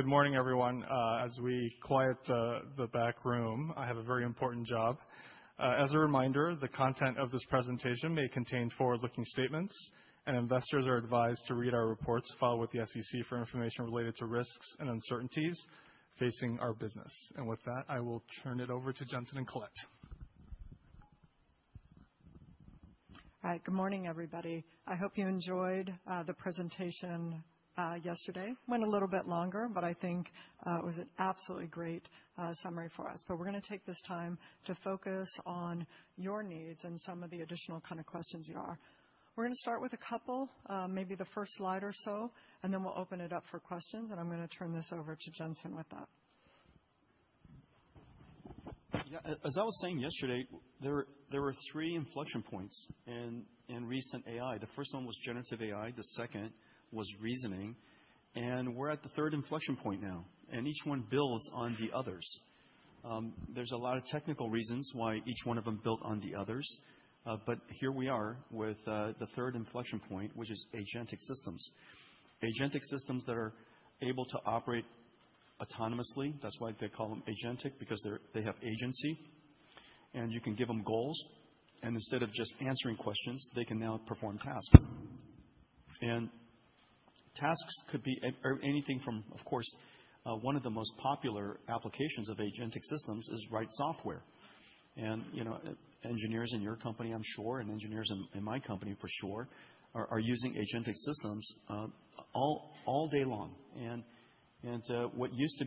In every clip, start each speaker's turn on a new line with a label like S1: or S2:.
S1: Good morning, everyone. As we quiet the back room, I have a very important job. As a reminder, the content of this presentation may contain forward-looking statements, and investors are advised to read our reports filed with the SEC for information related to risks and uncertainties facing our business. With that, I will turn it over to Jensen and Colette.
S2: All right. Good morning, everybody. I hope you enjoyed the presentation yesterday. Went a little bit longer, but I think it was an absolutely great summary for us. We're gonna take this time to focus on your needs and some of the additional kind of questions you are. We're gonna start with a couple, maybe the first slide or so, and then we'll open it up for questions, and I'm gonna turn this over to Jensen with that.
S3: As I was saying yesterday, there were three inflection points in recent AI. The first one was generative AI, the second was reasoning, and we're at the third inflection point now, and each one builds on the others. There's a lot of technical reasons why each one of them built on the others, but here we are with the third inflection point, which is agentic systems. Agentic systems that are able to operate autonomously, that's why they call them agentic, because they have agency. You can give them goals, and instead of just answering questions, they can now perform tasks. Tasks could be anything. Of course, one of the most popular applications of agentic systems is write software. You know, engineers in your company, I'm sure, and engineers in my company for sure are using agentic systems all day long. What used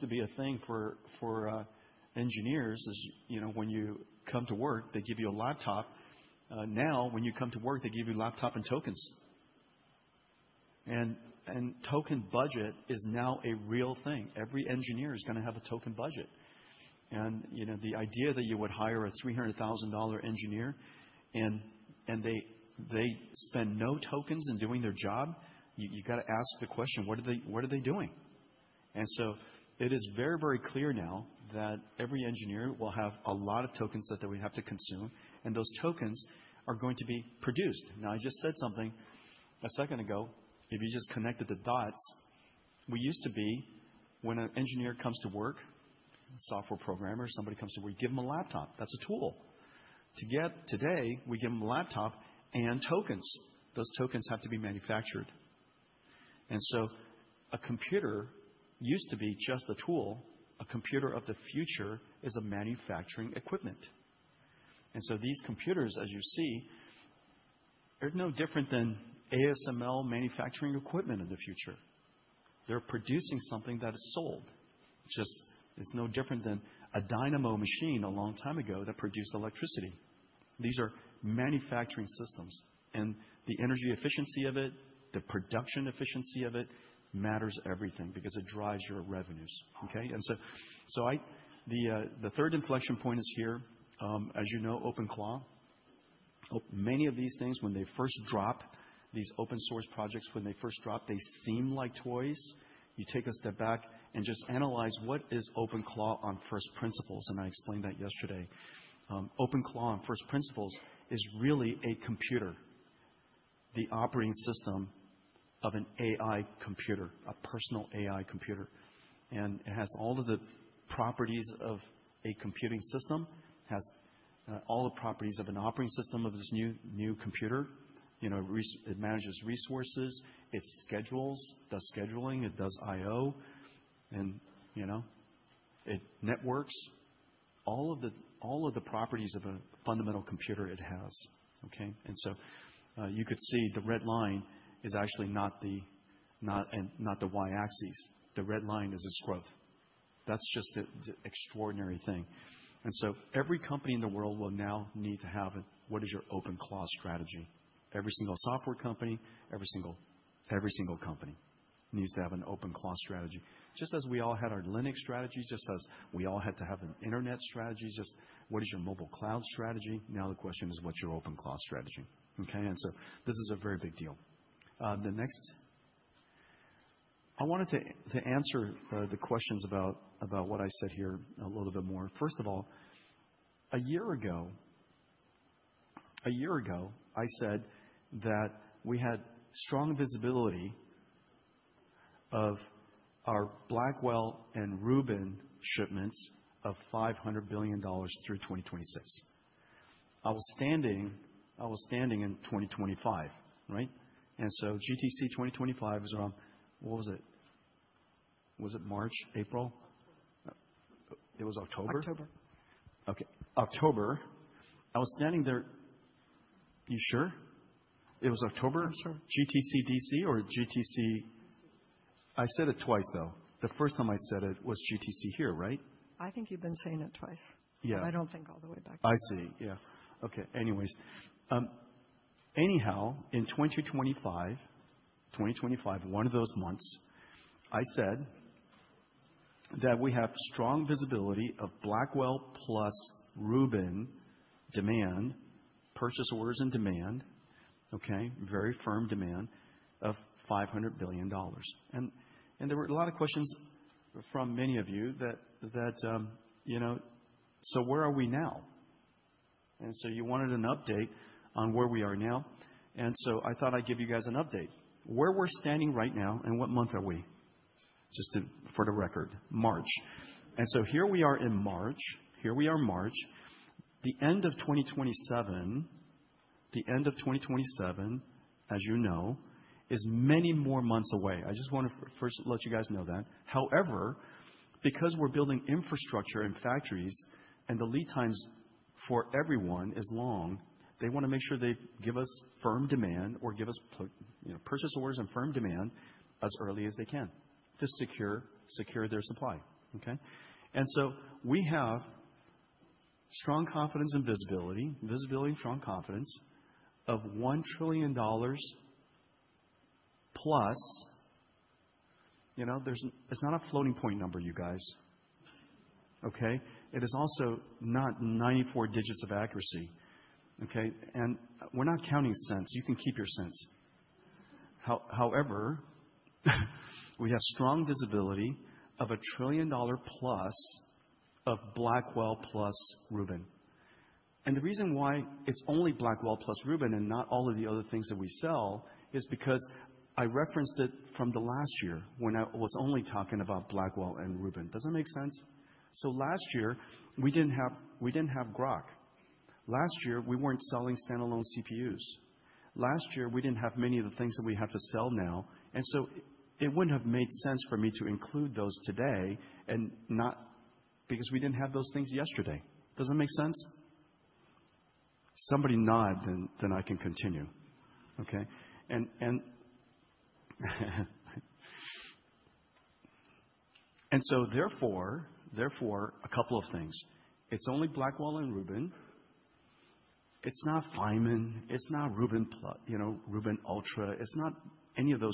S3: to be a thing for engineers is, you know, when you come to work, they give you a laptop. Now when you come to work, they give you a laptop and tokens. Token budget is now a real thing. Every engineer is gonna have a token budget. You know, the idea that you would hire a $300,000 engineer and they spend no tokens in doing their job, you gotta ask the question, what are they doing? It is very, very clear now that every engineer will have a lot of tokens that they will have to consume, and those tokens are going to be produced. Now, I just said something a second ago. If you just connected the dots, we used to be, when an engineer comes to work, software programmer, somebody comes to work, give them a laptop. That's a tool. Today, we give them a laptop and tokens. Those tokens have to be manufactured. A computer used to be just a tool. A computer of the future is a manufacturing equipment. These computers, as you see, they're no different than ASML manufacturing equipment of the future. They're producing something that is sold. Just, it's no different than a dynamo machine a long time ago that produced electricity. These are manufacturing systems, and the energy efficiency of it, the production efficiency of it matters everything because it drives your revenues, okay? The third inflection point is here. As you know, OpenClaw. Oh, many of these things when they first drop, these open source projects, they seem like toys. You take a step back and just analyze what is OpenClaw on first principles, and I explained that yesterday. OpenClaw on first principles is really a computer, the operating system of an AI computer, a personal AI computer. It has all of the properties of a computing system. It has all the properties of an operating system of this new computer. You know, it manages resources, it schedules, it does IO, and, you know, it networks. All of the properties of a fundamental computer it has, okay? You could see the red line is actually not the y-axis. The red line is its growth. That's just the extraordinary thing. Every company in the world will now need to have it. What is your OpenClaw strategy? Every single software company, every single company needs to have an OpenClaw strategy. Just as we all had our Linux strategy, just as we all had to have an internet strategy, just what is your mobile cloud strategy? Now, the question is what's your OpenClaw strategy? Okay? This is a very big deal. I wanted to answer the questions about what I said here a little bit more. First of all, a year ago, I said that we had strong visibility of our Blackwell and Rubin shipments of $500 billion through 2026. I was standing in 2025, right? GTC 2025 was around, what was it? Was it March? April?
S2: October.
S3: It was October?
S2: October.
S3: Okay. October. I was standing there. You sure? It was October?
S2: I'm sure.
S3: GTC DC or GTC. I said it twice, though. The first time I said it was GTC here, right?
S2: I think you've been saying it twice.
S3: Yeah.
S2: I don't think all the way back.
S3: I see. Yeah. Okay. Anyways. Anyhow, in 2025, one of those months, I said that we have strong visibility of Blackwell plus Rubin demand, purchase orders and demand, okay? Very firm demand of $500 billion. There were a lot of questions from many of you that, you know, so where are we now? You wanted an update on where we are now, and I thought I'd give you guys an update. Where we're standing right now and what month are we? Just for the record. March. Here we are in March. The end of 2027, as you know, is many more months away. I just wanna first let you guys know that. However, because we're building infrastructure and factories and the lead times for everyone is long, they wanna make sure they give us firm demand or give us purchase orders and firm demand as early as they can to secure their supply. Okay? We have strong confidence and visibility of $1 trillion+. You know, it's not a floating point number, you guys. Okay? It is also not 94 digits of accuracy, okay? We're not counting cents. You can keep your cents. However, we have strong visibility of $1 trillion+ of Blackwell plus Rubin. The reason why it's only Blackwell plus Rubin and not all of the other things that we sell is because I referenced it from the last year when I was only talking about Blackwell and Rubin. Does that make sense? Last year we didn't have Groq. Last year, we weren't selling standalone CPUs. Last year, we didn't have many of the things that we have to sell now, and it wouldn't have made sense for me to include those today and not because we didn't have those things yesterday. Does that make sense? Somebody nod, then I can continue. Okay? A couple of things. It's only Blackwell and Rubin. It's not Feynman. It's not Rubin you know, Rubin Ultra. It's not Vera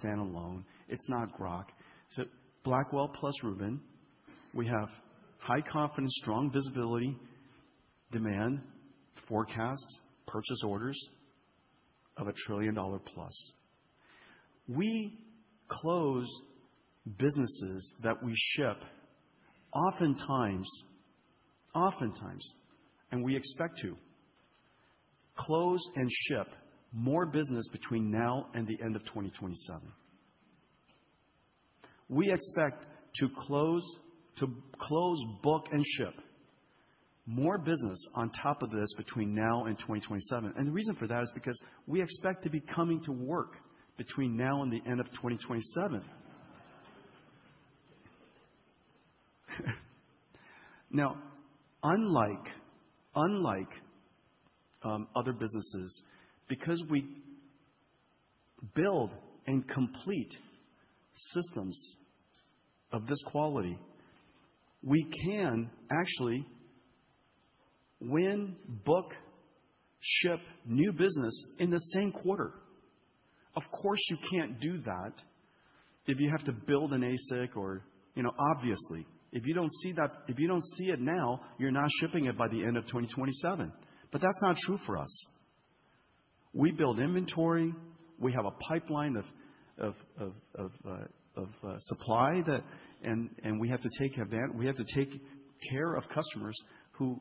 S3: standalone. It's not Groq. Blackwell plus Rubin, we have high confidence, strong visibility, demand, forecast, purchase orders of $1 trillion+. We close businesses that we ship oftentimes, and we expect to close and ship more business between now and the end of 2027. We expect to close, book, and ship more business on top of this between now and 2027. The reason for that is because we expect to be coming to work between now and the end of 2027. Now, unlike other businesses, because we build and complete systems of this quality, we can actually win, book, ship new business in the same quarter. Of course, you can't do that if you have to build an ASIC or you know, obviously. If you don't see it now, you're not shipping it by the end of 2027. That's not true for us. We build inventory. We have a pipeline of supply that. We have to take care of customers who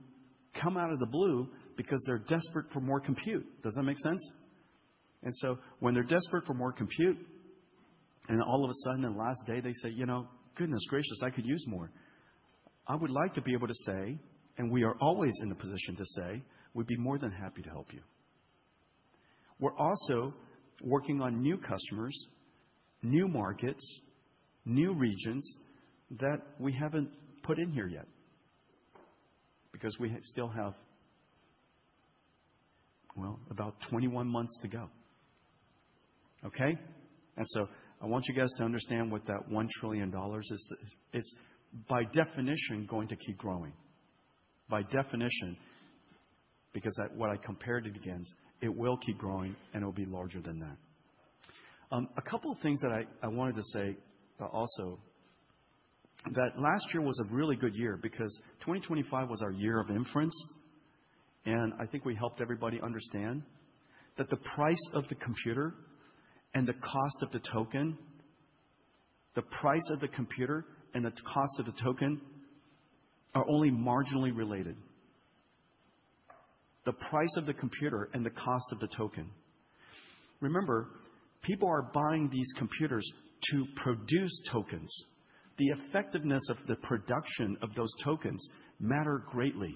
S3: come out of the blue because they're desperate for more compute. Does that make sense? When they're desperate for more compute, and all of a sudden in the last day, they say, "You know, goodness gracious, I could use more," I would like to be able to say, and we are always in a position to say, "We'd be more than happy to help you." We're also working on new customers, new markets, new regions that we haven't put in here yet because we still have, well, about 21 months to go. Okay? I want you guys to understand what that $1 trillion is. It's, by definition, going to keep growing. By definition, because what I compared it against, it will keep growing, and it'll be larger than that. A couple of things that I wanted to say, also, that last year was a really good year because 2025 was our year of inference, and I think we helped everybody understand that the price of the computer and the cost of the token, the price of the computer and the cost of the token are only marginally related. The price of the computer and the cost of the token. Remember, people are buying these computers to produce tokens. The effectiveness of the production of those tokens matter greatly.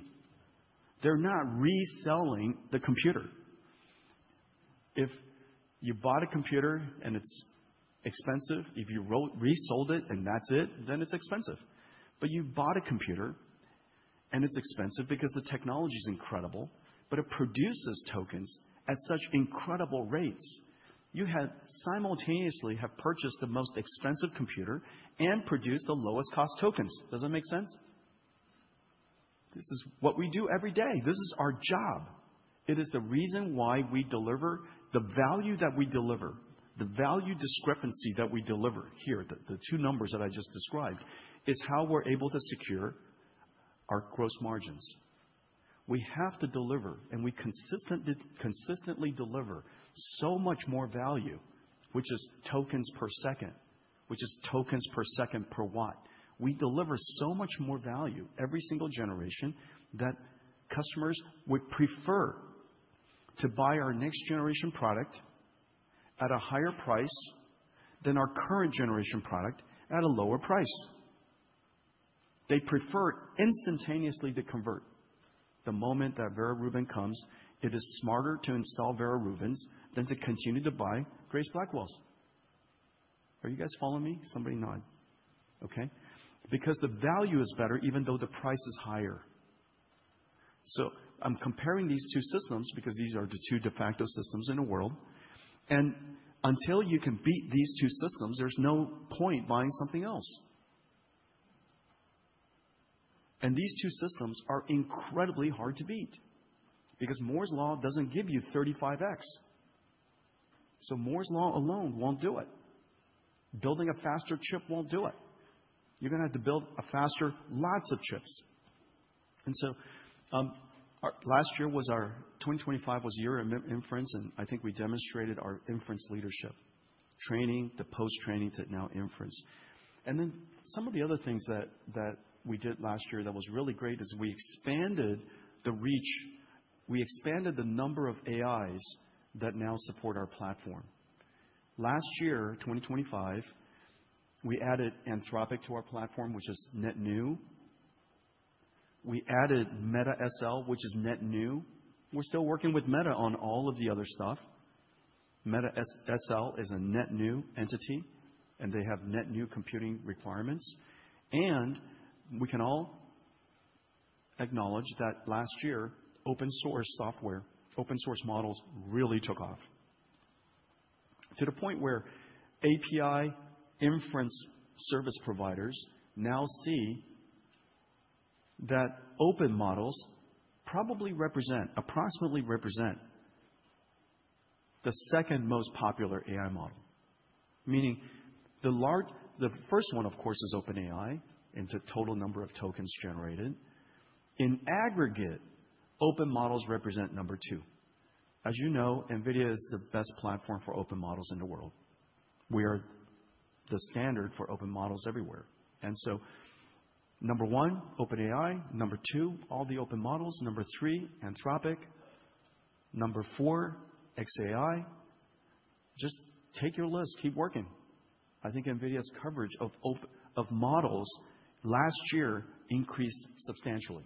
S3: They're not reselling the computer. If you bought a computer and it's expensive, if you resold it, and that's it, then it's expensive. But you bought a computer, and it's expensive because the technology's incredible, but it produces tokens at such incredible rates. You had simultaneously have purchased the most expensive computer and produced the lowest cost tokens. Does that make sense? This is what we do every day. This is our job. It is the reason why we deliver the value that we deliver. The value discrepancy that we deliver here, the two numbers that I just described, is how we're able to secure our gross margins. We have to deliver, and we consistently deliver so much more value, which is tokens per second, which is tokens per second per watt. We deliver so much more value every single generation that customers would prefer to buy our next generation product at a higher price than our current generation product at a lower price. They prefer instantaneously to convert. The moment that Vera Rubin comes, it is smarter to install Vera Rubins than to continue to buy Grace Blackwells. Are you guys following me? Somebody nod. Okay. The value is better even though the price is higher. I'm comparing these two systems because these are the two de facto systems in the world. Until you can beat these two systems, there's no point buying something else. These two systems are incredibly hard to beat because Moore's Law doesn't give you 35x. Moore's Law alone won't do it. Building a faster chip won't do it. You're gonna have to build a faster lots of chips. 2025 was year in inference, and I think we demonstrated our inference leadership. Training to post-training to now inference. Then some of the other things that we did last year that was really great is we expanded the reach. We expanded the number of AIs that now support our platform. Last year, 2025, we added Anthropic to our platform, which is net new. We added Meta AI, which is net new. We're still working with Meta on all of the other stuff. Meta AI is a net new entity, and they have net new computing requirements. We can all acknowledge that last year, open source software, open source models really took off to the point where API inference service providers now see that open models probably represent, approximately represent the second most popular AI model. Meaning the first one, of course, is OpenAI into total number of tokens generated. In aggregate, open models represent number two. As you know, NVIDIA is the best platform for open models in the world. We are the standard for open models everywhere. Number one, OpenAI. Number two, all the open models. Number three, Anthropic. Number four, xAI. Just take your list, keep working. I think NVIDIA's coverage of models last year increased substantially,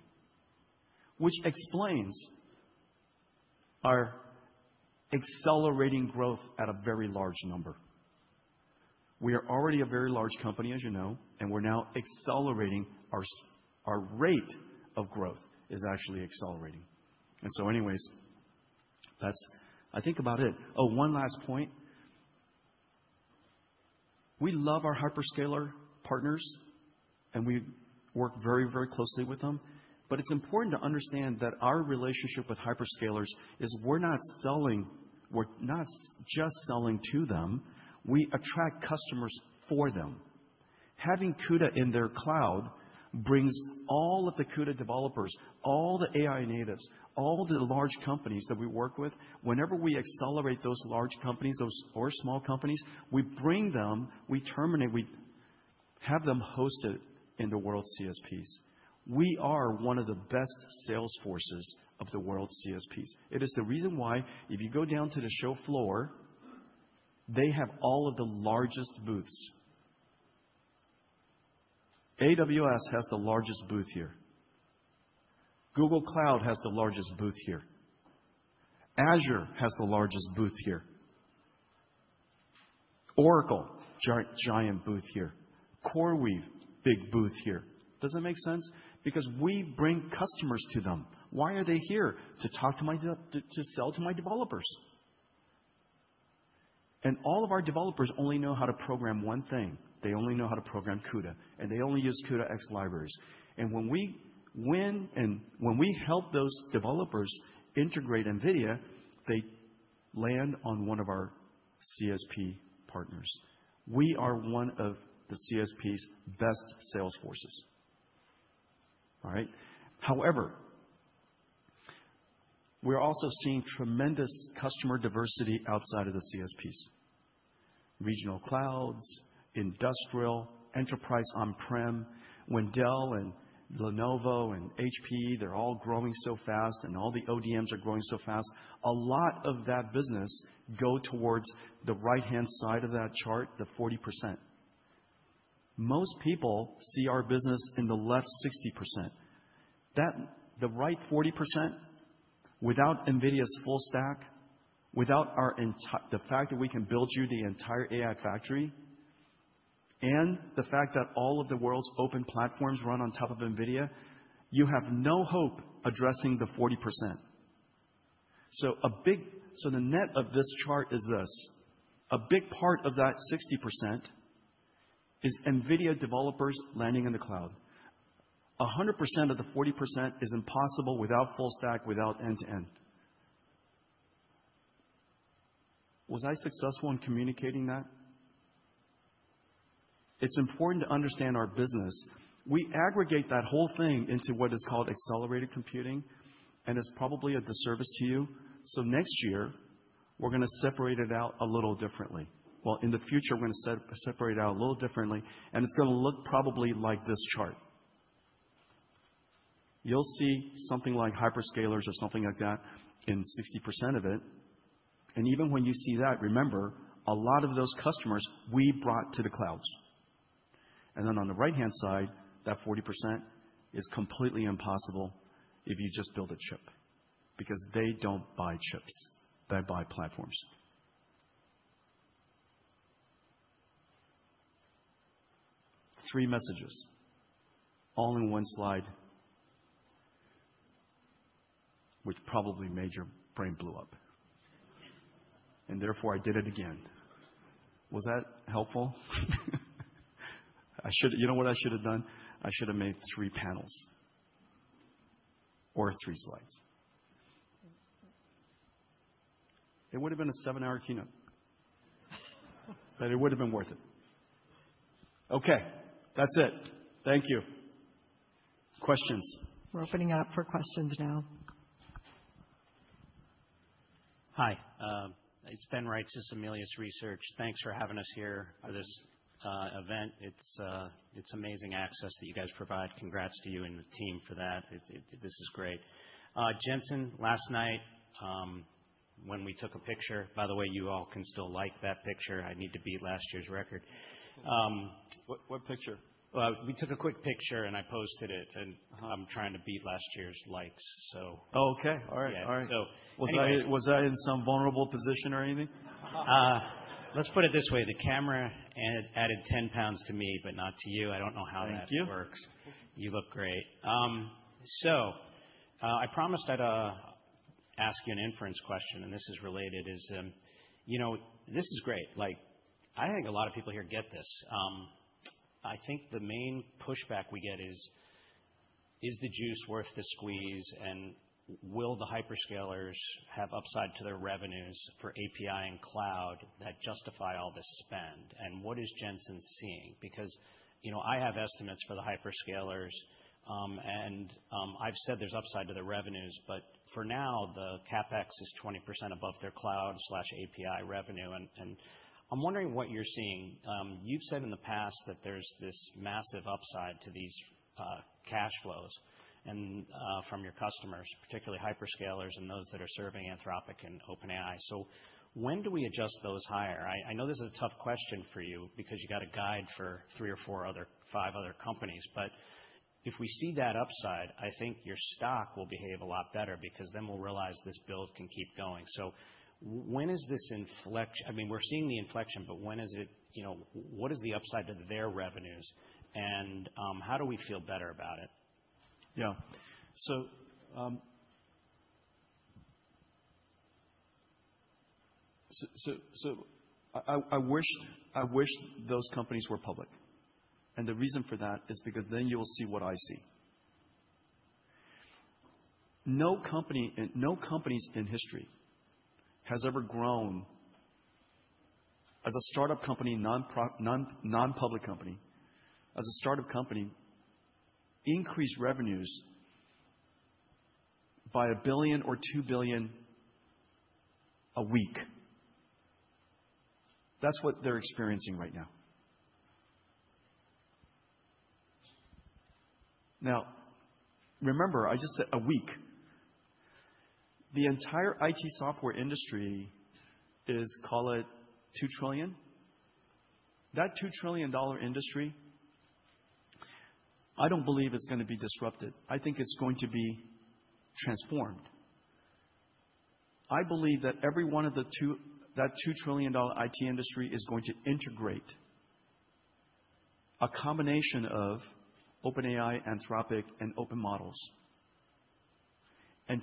S3: which explains our accelerating growth at a very large number. We are already a very large company, as you know, and we're now accelerating. Our rate of growth is actually accelerating. Anyways, that's I think about it. Oh, one last point. We love our hyperscaler partners, and we work very, very closely with them, but it's important to understand that our relationship with hyperscalers is we're not just selling to them. We attract customers for them. Having CUDA in their cloud brings all of the CUDA developers, all the AI natives, all the large companies that we work with. Whenever we accelerate those large or small companies, we bring them, we train them, we have them hosted in the world's CSPs. We are one of the best sales forces of the world's CSPs. It is the reason why if you go down to the show floor, they have all of the largest booths. AWS has the largest booth here. Google Cloud has the largest booth here. Azure has the largest booth here. Oracle, giant booth here. CoreWeave, big booth here. Does that make sense? Because we bring customers to them. Why are they here? To sell to my developers. All of our developers only know how to program one thing. They only know how to program CUDA, and they only use CUDA-X libraries. when we win and when we help those developers integrate NVIDIA, they land on one of our CSP partners. We are one of the CSP's best sales forces. All right. However, we're also seeing tremendous customer diversity outside of the CSPs. Regional clouds, industrial, enterprise on-prem, when Dell and Lenovo and HP, they're all growing so fast and all the ODMs are growing so fast. A lot of that business go towards the right-hand side of that chart, the 40%. Most people see our business in the left 60%. The right 40% without NVIDIA's full stack, the fact that we can build you the entire AI factory and the fact that all of the world's open platforms run on top of NVIDIA, you have no hope addressing the 40%. The net of this chart is this, a big part of that 60% is NVIDIA developers landing in the cloud. 100% of the 40% is impossible without full stack, without end-to-end. Was I successful in communicating that? It's important to understand our business. We aggregate that whole thing into what is called accelerated computing, and it's probably a disservice to you. Next year, we're gonna separate it out a little differently. Well, in the future, we're gonna separate it out a little differently, and it's gonna look probably like this chart. You'll see something like hyperscalers or something like that in 60% of it. Even when you see that, remember, a lot of those customers, we brought to the clouds. On the right-hand side, that 40% is completely impossible if you just build a chip because they don't buy chips. They buy platforms. Three messages all in one slide, which probably made your brain blew up, and therefore, I did it again. Was that helpful? You know what I should have done? I should have made three panels or three slides. It would've been a seven-hour keynote. But it would've been worth it. Okay. That's it. Thank you. Questions?
S2: We're opening it up for questions now.
S4: Hi, it's Ben Reitzes, Melius Research. Thanks for having us here at this event. It's amazing access that you guys provide. Congrats to you and the team for that. This is great. Jensen, last night, when we took a picture. By the way, you all can still like that picture. I need to beat last year's record.
S3: What, what picture?
S4: Well, we took a quick picture, and I posted it. I'm trying to beat last year's likes.
S3: Oh, okay. All right.
S4: Yeah. Anyway.
S3: Was I in some vulnerable position or anything?
S4: Let's put it this way. The camera added 10 lbs to me, but not to you. I don't know how that works.
S3: Thank you.
S4: You look great. So, I promised I'd ask you an inference question, and this is related, is, you know. This is great. Like, I think a lot of people here get this. I think the main pushback we get is the juice worth the squeeze, and will the hyperscalers have upside to their revenues for API and cloud that justify all the spend, and what is Jensen seeing? Because, you know, I have estimates for the hyperscalers, and I've said there's upside to the revenues. For now, the CapEx is 20% above their cloud/API revenue, and I'm wondering what you're seeing. You've said in the past that there's this massive upside to these cash flows and from your customers, particularly hyperscalers and those that are serving Anthropic and OpenAI. When do we adjust those higher? I know this is a tough question for you because you got to guide for five other companies. If we see that upside, I think your stock will behave a lot better because then we'll realize this build can keep going. When is this inflection? I mean, we're seeing the inflection, but when is it, you know, what is the upside to their revenues, and how do we feel better about it?
S3: I wish those companies were public, and the reason for that is because then you'll see what I see. No companies in history has ever grown as a startup company, non-public company. As a startup company, increased revenues by $1 billion or $2 billion a week. That's what they're experiencing right now. Now, remember, I just said a week. The entire IT software industry is, call it $2 trillion. That $2 trillion industry, I don't believe is gonna be disrupted. I think it's going to be transformed. I believe that $2 trillion IT industry is going to integrate a combination of OpenAI, Anthropic, and open models and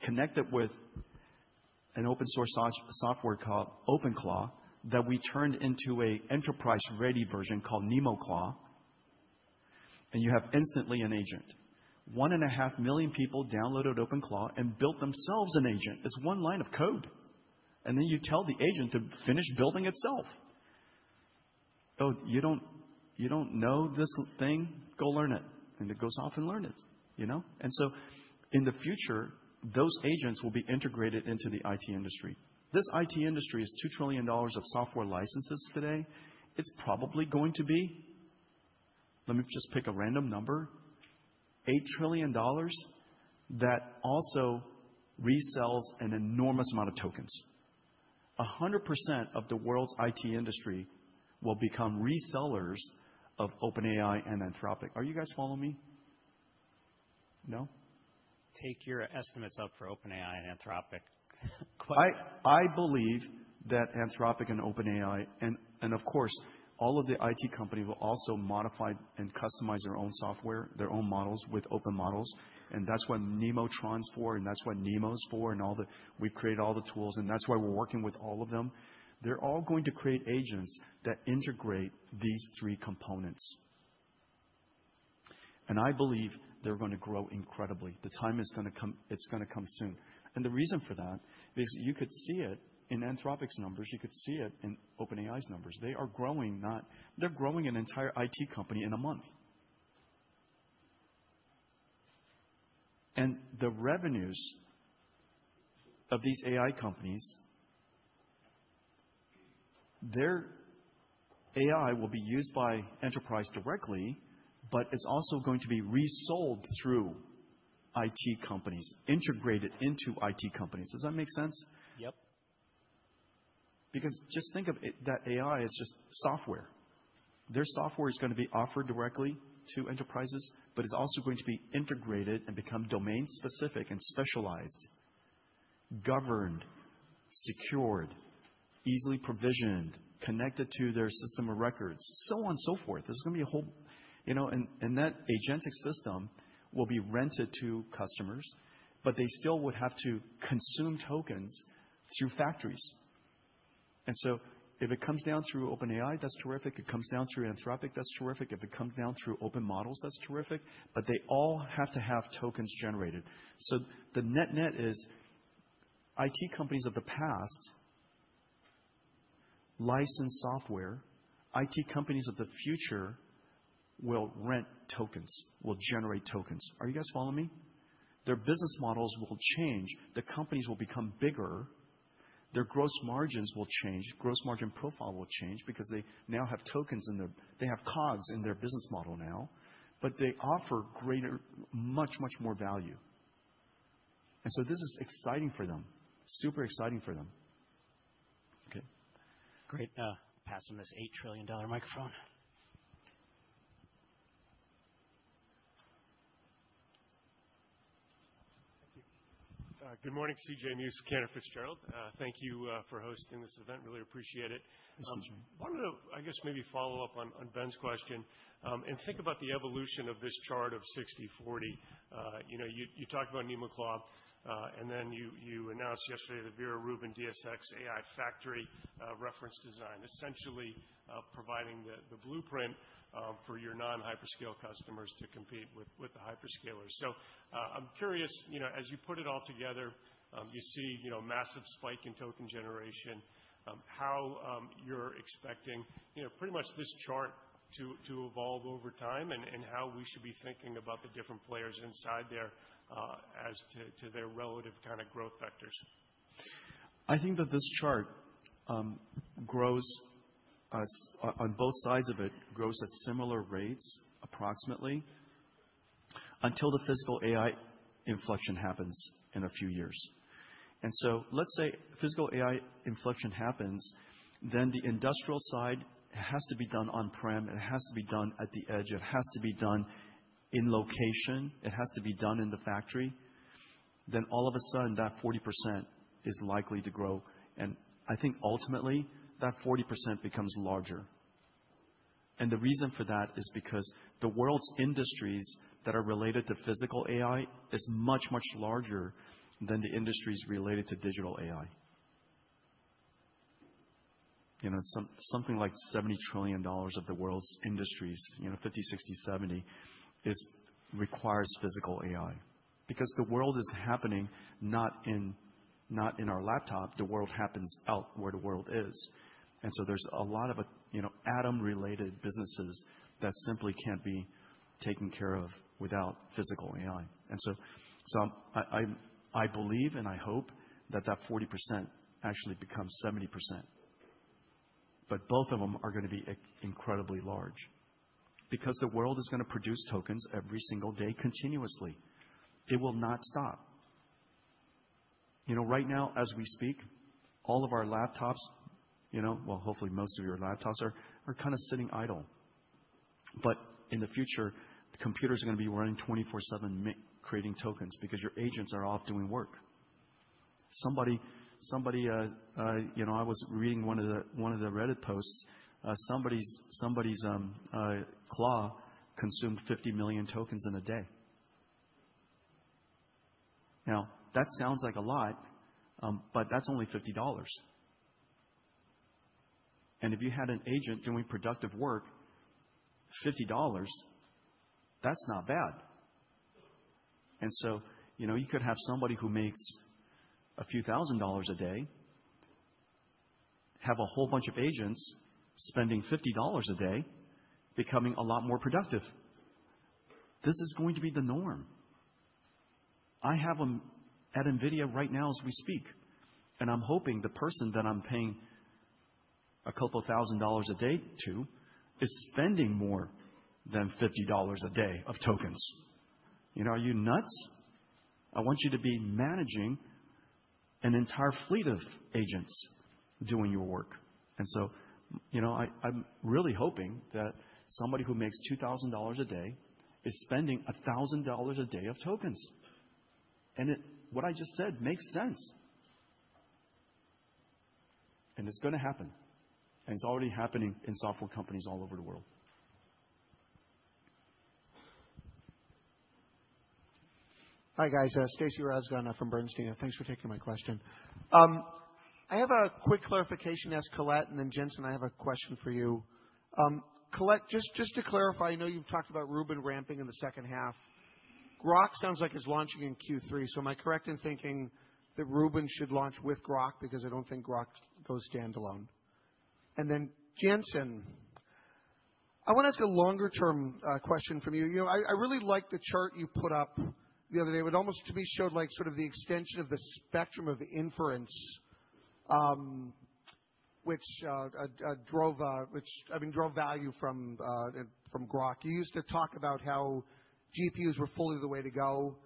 S3: connect it with an open source software called OpenClaw that we turned into an enterprise-ready version called NemoClaw, and you have instantly an agent. 1.5 million people downloaded OpenClaw and built themselves an agent. It's one line of code. Then you tell the agent to finish building itself. Oh, you don't know this thing? Go learn it. It goes off and learn it, you know. In the future, those agents will be integrated into the IT industry. This IT industry is $2 trillion of software licenses today. It's probably going to be, let me just pick a random number, $8 trillion that also resells an enormous amount of tokens. 100% of the world's IT industry will become resellers of OpenAI and Anthropic. Are you guys following me? No?
S4: Take your estimates up for OpenAI and Anthropic.
S3: I believe that Anthropic and OpenAI and of course all of the IT company will also modify and customize their own software, their own models with open models, and that's what Nemotron's for, and that's what Nemo's for and we've created all the tools, and that's why we're working with all of them. They're all going to create agents that integrate these three components. I believe they're gonna grow incredibly. The time is gonna come, it's gonna come soon. The reason for that is you could see it in Anthropic's numbers, you could see it in OpenAI's numbers. They're growing an entire IT company in a month. The revenues of these AI companies, their AI will be used by enterprise directly, but it's also going to be resold through IT companies, integrated into IT companies. Does that make sense?
S4: Yep.
S3: Because just think of it, that AI is just software. Their software is gonna be offered directly to enterprises, but it's also going to be integrated and become domain-specific and specialized, governed, secured, easily provisioned, connected to their system of records, so on and so forth. There's gonna be a whole, you know, and that agentic system will be rented to customers, but they still would have to consume tokens through factories. If it comes down through OpenAI, that's terrific. It comes down through Anthropic, that's terrific. If it comes down through open models, that's terrific. They all have to have tokens generated. The net-net is IT companies of the past license software. IT companies of the future will rent tokens, will generate tokens. Are you guys following me? Their business models will change. The companies will become bigger. Their gross margins will change. Gross margin profile will change because they have COGS in their business model now. They offer greater, much, much more value. This is exciting for them. Super exciting for them.
S4: Okay, great. Passing this $8 trillion microphone.
S5: Thank you. Good morning. CJ Muse, Cantor Fitzgerald. Thank you for hosting this event. Really appreciate it.
S3: Yes, CJ.
S5: Wanted to, I guess, maybe follow up on Ben's question, and think about the evolution of this chart of 60/40. You know, you talked about NemoClaw, and then you announced yesterday the Vera Rubin DGX AI factory reference design, essentially, providing the blueprint for your non-hyperscale customers to compete with the hyperscalers. I'm curious, you know, as you put it all together, you see, you know, massive spike in token generation, how you're expecting, you know, pretty much this chart to evolve over time, and how we should be thinking about the different players inside there, as to their relative kinda growth vectors.
S3: I think that this chart grows on both sides of it, grows at similar rates approximately until the physical AI inflection happens in a few years. Let's say physical AI inflection happens, then the industrial side has to be done on-prem, it has to be done at the edge, it has to be done in location, it has to be done in the factory. All of a sudden that 40% is likely to grow, and I think ultimately that 40% becomes larger. The reason for that is because the world's industries that are related to physical AI is much, much larger than the industries related to digital AI. You know, something like $70 trillion of the world's industries, you know, 50, 60, 70, requires physical AI. Because the world is happening not in, not in our laptop, the world happens out where the world is. There's a lot of, you know, atom-related businesses that simply can't be taken care of without physical AI. I believe and I hope that 40% actually becomes 70%. Both of them are gonna be incredibly large because the world is gonna produce tokens every single day continuously. It will not stop. You know, right now as we speak, all of our laptops, you know, well, hopefully most of your laptops are kinda sitting idle. In the future, the computer's gonna be running 24/7 creating tokens because your agents are off doing work. Somebody, you know, I was reading one of the Reddit posts. Somebody's Claw consumed 50 million tokens in a day. Now, that sounds like a lot, but that's only $50. If you had an agent doing productive work, $50, that's not bad. You know, you could have somebody who makes a few thousand dollars a day have a whole bunch of agents spending $50 a day becoming a lot more productive. This is going to be the norm. I have them at NVIDIA right now as we speak, and I'm hoping the person that I'm paying a couple thousand dollars a day to is spending more than $50 a day of tokens. You know, are you nuts? I want you to be managing an entire fleet of agents doing your work. You know, I'm really hoping that somebody who makes $2,000 a day is spending $1,000 a day of tokens. What I just said makes sense. It's gonna happen, and it's already happening in software companies all over the world.
S6: Hi, guys. Stacy Rasgon from Bernstein. Thanks for taking my question. I have a quick clarification to ask Colette, and then, Jensen, I have a question for you. Colette, just to clarify, I know you've talked about Rubin ramping in the second half. Groq sounds like it's launching in Q3. So am I correct in thinking that Rubin should launch with Groq? Because I don't think Groq goes standalone. Then, Jensen, I want to ask a longer-term question for you. You know, I really like the chart you put up the other day, where it showed like sort of the extension of the spectrum of inference, which, I mean, drove value from Groq. You used to talk about how GPUs were the only way to go.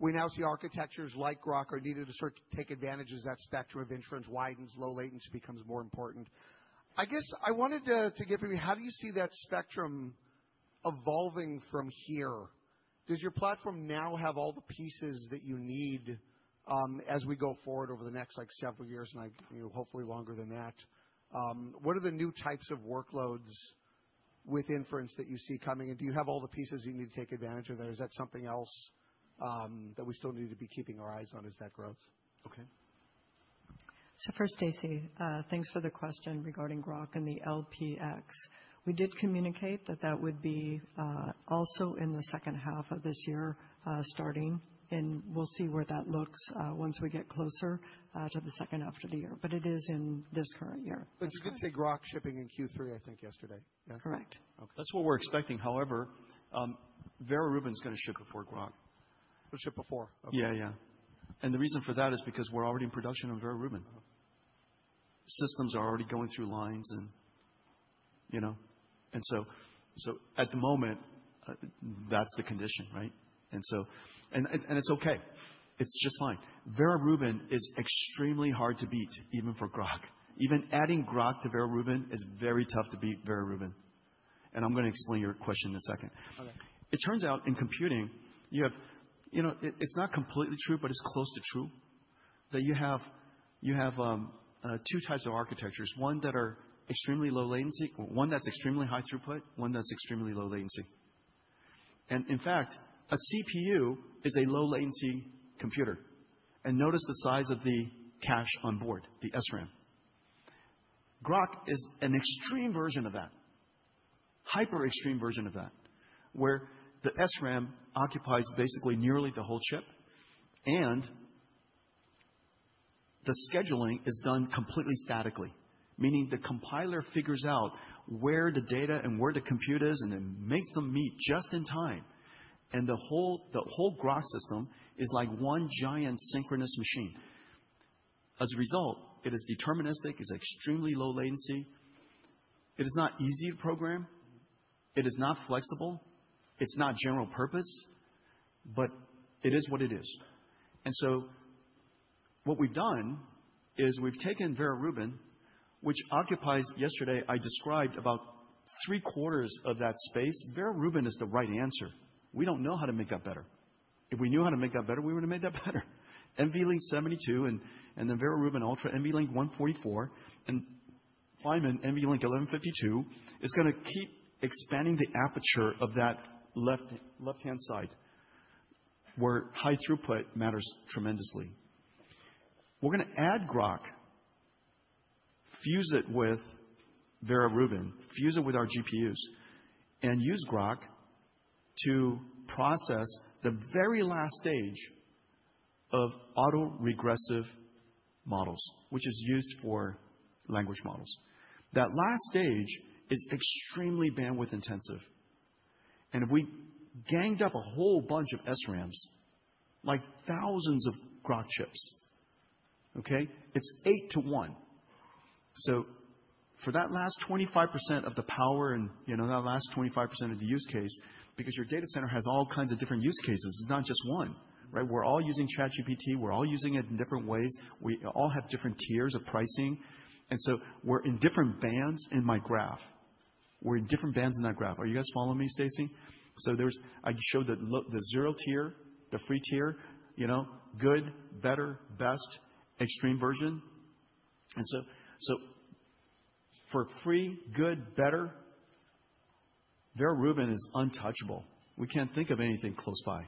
S6: We now see architectures like Groq are needed to sort of take advantage as that spectrum of inference widens, low latency becomes more important. I guess I wanted to get from you, how do you see that spectrum evolving from here? Does your platform now have all the pieces that you need, as we go forward over the next, like, several years, and you know, hopefully longer than that? What are the new types of workloads with inference that you see coming? And do you have all the pieces you need to take advantage of that, or is that something else, that we still need to be keeping our eyes on as that grows?
S3: Okay.
S2: First, Stacy, thanks for the question regarding Groq and the LPU. We did communicate that would be also in the second half of this year, starting, and we'll see where that looks once we get closer to the second half of the year. It is in this current year.
S6: You did say Groq shipping in Q3, I think yesterday. Yeah?
S2: Correct.
S6: Okay.
S3: That's what we're expecting. However, Vera Rubin is gonna ship before Groq.
S6: Will ship before? Okay.
S3: Yeah, yeah. The reason for that is because we're already in production on Vera Rubin. Systems are already going through lines and, you know. At the moment, that's the condition, right? It's okay. It's just fine. Vera Rubin is extremely hard to beat, even for Groq. Even adding Groq to Vera Rubin is very tough to beat Vera Rubin. I'm gonna explain your question in a second.
S6: Okay.
S3: It turns out in computing, you have two types of architectures, one that's extremely high throughput, one that's extremely low latency. It's not completely true, but it's close to true. In fact, a CPU is a low latency computer. Notice the size of the cache on board, the SRAM. Groq is an extreme version of that, hyper extreme version of that, where the SRAM occupies basically nearly the whole chip, and the scheduling is done completely statically. Meaning the compiler figures out where the data and where the compute is, and it makes them meet just in time. The whole Groq system is like one giant synchronous machine. As a result, it is deterministic, it's extremely low latency. It is not easy to program. It is not flexible. It's not general purpose, but it is what it is. What we've done is we've taken Vera Rubin, which occupies, yesterday I described about three quarters of that space. Vera Rubin is the right answer. We don't know how to make that better. If we knew how to make that better, we would've made that better. NVLink 72 and the Vera Rubin Ultra NVLink 144, and Kyber NVLink 1152 is gonna keep expanding the aperture of that left-hand side, where high throughput matters tremendously. We're gonna add Groq, fuse it with Vera Rubin, fuse it with our GPUs, and use Groq to process the very last stage of autoregressive models, which is used for language models. That last stage is extremely bandwidth intensive. If we ganged up a whole bunch of SRAMs, like thousands of Groq chips, okay? It's eight to one. For that last 25% of the power and, you know, that last 25% of the use case, because your data center has all kinds of different use cases, it's not just one, right? We're all using ChatGPT. We're all using it in different ways. We all have different tiers of pricing, and so we're in different bands in my graph. We're in different bands in that graph. Are you guys following me, Stacy? I showed the zero tier, the free tier, you know, good, better, best, extreme version. So for free, good, better, Vera Rubin is untouchable. We can't think of anything close by.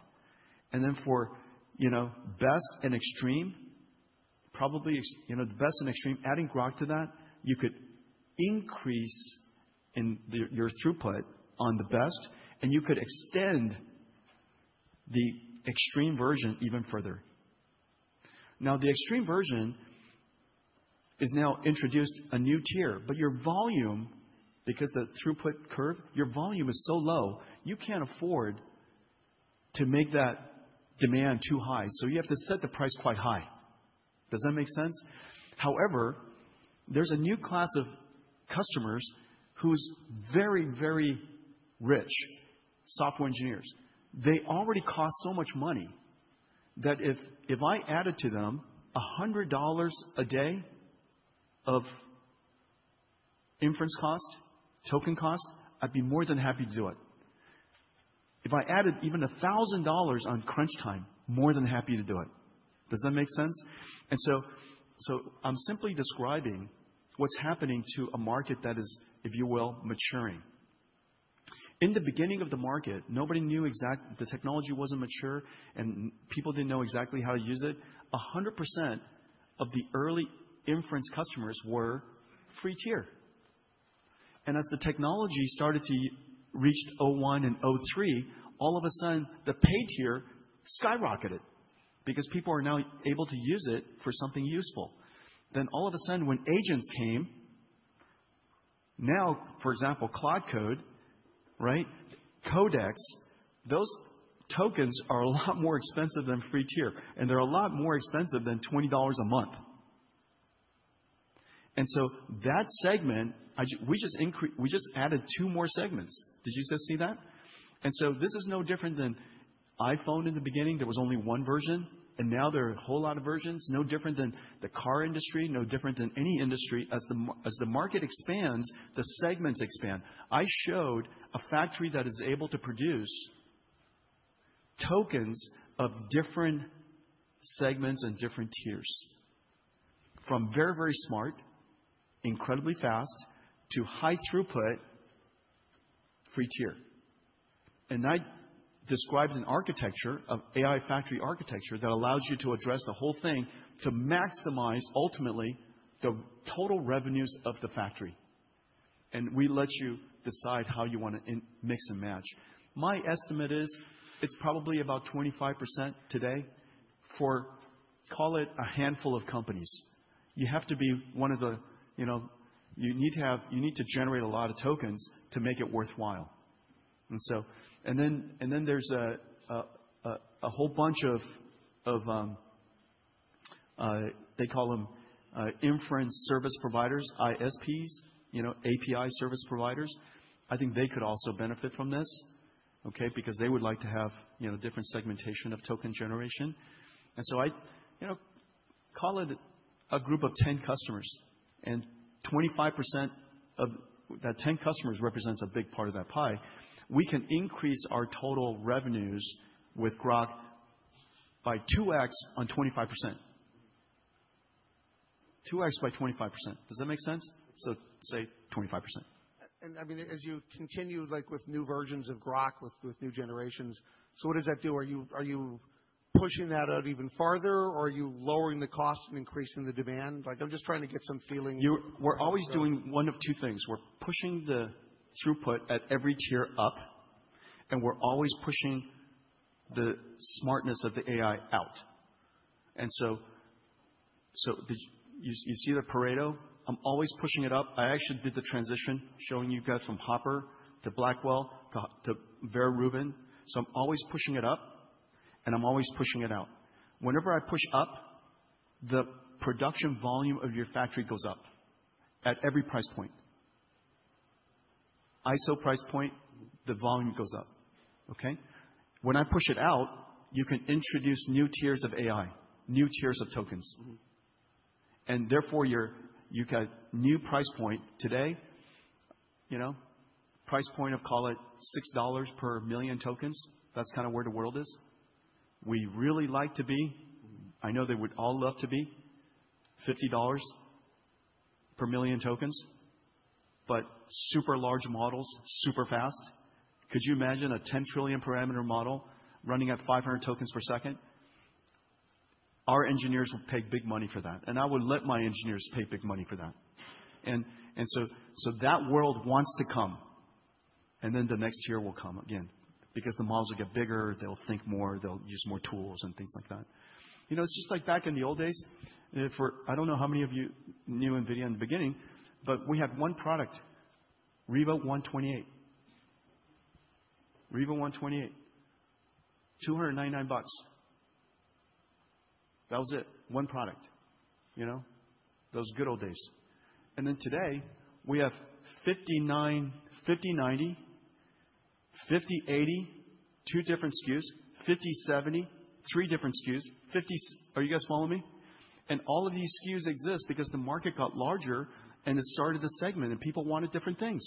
S3: For you know, best and extreme, probably you know, the best and extreme, adding Groq to that, you could increase your throughput on the best, and you could extend the extreme version even further. Now, the extreme version is now introduced a new tier. Your volume, because the throughput curve, your volume is so low, you can't afford to make that demand too high. You have to set the price quite high. Does that make sense? However, there's a new class of customers who's very, very rich software engineers. They already cost so much money that if I added to them $100 a day of inference cost, token cost, I'd be more than happy to do it. If I added even $1,000 on crunch time, more than happy to do it. Does that make sense? I'm simply describing what's happening to a market that is, if you will, maturing. In the beginning of the market, nobody knew exactly. The technology wasn't mature, and people didn't know exactly how to use it. 100% of the early inference customers were free tier. As the technology started to reach o1 and o3, all of a sudden, the paid tier skyrocketed because people are now able to use it for something useful. All of a sudden, when agents came, now, for example, Claude Code, right? Codex, those tokens are a lot more expensive than free tier, and they're a lot more expensive than $20 a month. That segment, we just added two more segments. Did you see that? This is no different than iPhone in the beginning, there was only one version, and now there are a whole lot of versions. No different than the car industry, no different than any industry. As the market expands, the segments expand. I showed a factory that is able to produce tokens of different segments and different tiers. From very, very smart, incredibly fast, to high throughput, free tier. I described an architecture of AI factory architecture that allows you to address the whole thing to maximize ultimately the total revenues of the factory. We let you decide how you wanna mix and match. My estimate is it's probably about 25% today for, call it, a handful of companies. You have to be one of the you need to generate a lot of tokens to make it worthwhile. There's a whole bunch of they call them inference service providers, ISPs, API service providers. I think they could also benefit from this, okay? Because they would like to have different segmentation of token generation. I'd call it a group of 10 customers, and 25% of that 10 customers represents a big part of that pie. We can increase our total revenues with Groq by 2x on 25%. 2x by 25%. Does that make sense? Say 25%.
S6: I mean, as you continue, like, with new versions of Groq, with new generations, so what does that do? Are you pushing that out even farther, or are you lowering the cost and increasing the demand? Like, I'm just trying to get some feeling.
S3: We're always doing one of two things. We're pushing the throughput at every tier up, and we're always pushing the smartness of the AI out. You see the Pareto? I'm always pushing it up. I actually did the transition showing you guys from Hopper to Blackwell to Vera Rubin. I'm always pushing it up, and I'm always pushing it out. Whenever I push up, the production volume of your factory goes up at every price point. At the same price point, the volume goes up, okay? When I push it out, you can introduce new tiers of AI, new tiers of tokens.
S6: Mm-hmm.
S3: Therefore, you got new price point today, you know. Price point of, call it $6 per million tokens. That's kinda where the world is. We really like to be, I know they would all love to be, $50 per million tokens, but super large models, super fast. Could you imagine a 10 trillion parameter model running at 500 tokens per second? Our engineers will pay big money for that, and I would let my engineers pay big money for that. So that world wants to come. Then the next tier will come again because the models will get bigger, they'll think more, they'll use more tools and things like that. You know, it's just like back in the old days. For I don't know how many of you knew NVIDIA in the beginning, but we had one product, RIVA 128. $299. That was it. One product. You know? Those good old days. Today, we have 5090, 5080, two different SKUs. 5070, three different SKUs. Are you guys following me? All of these SKUs exist because the market got larger, and it started the segment, and people wanted different things.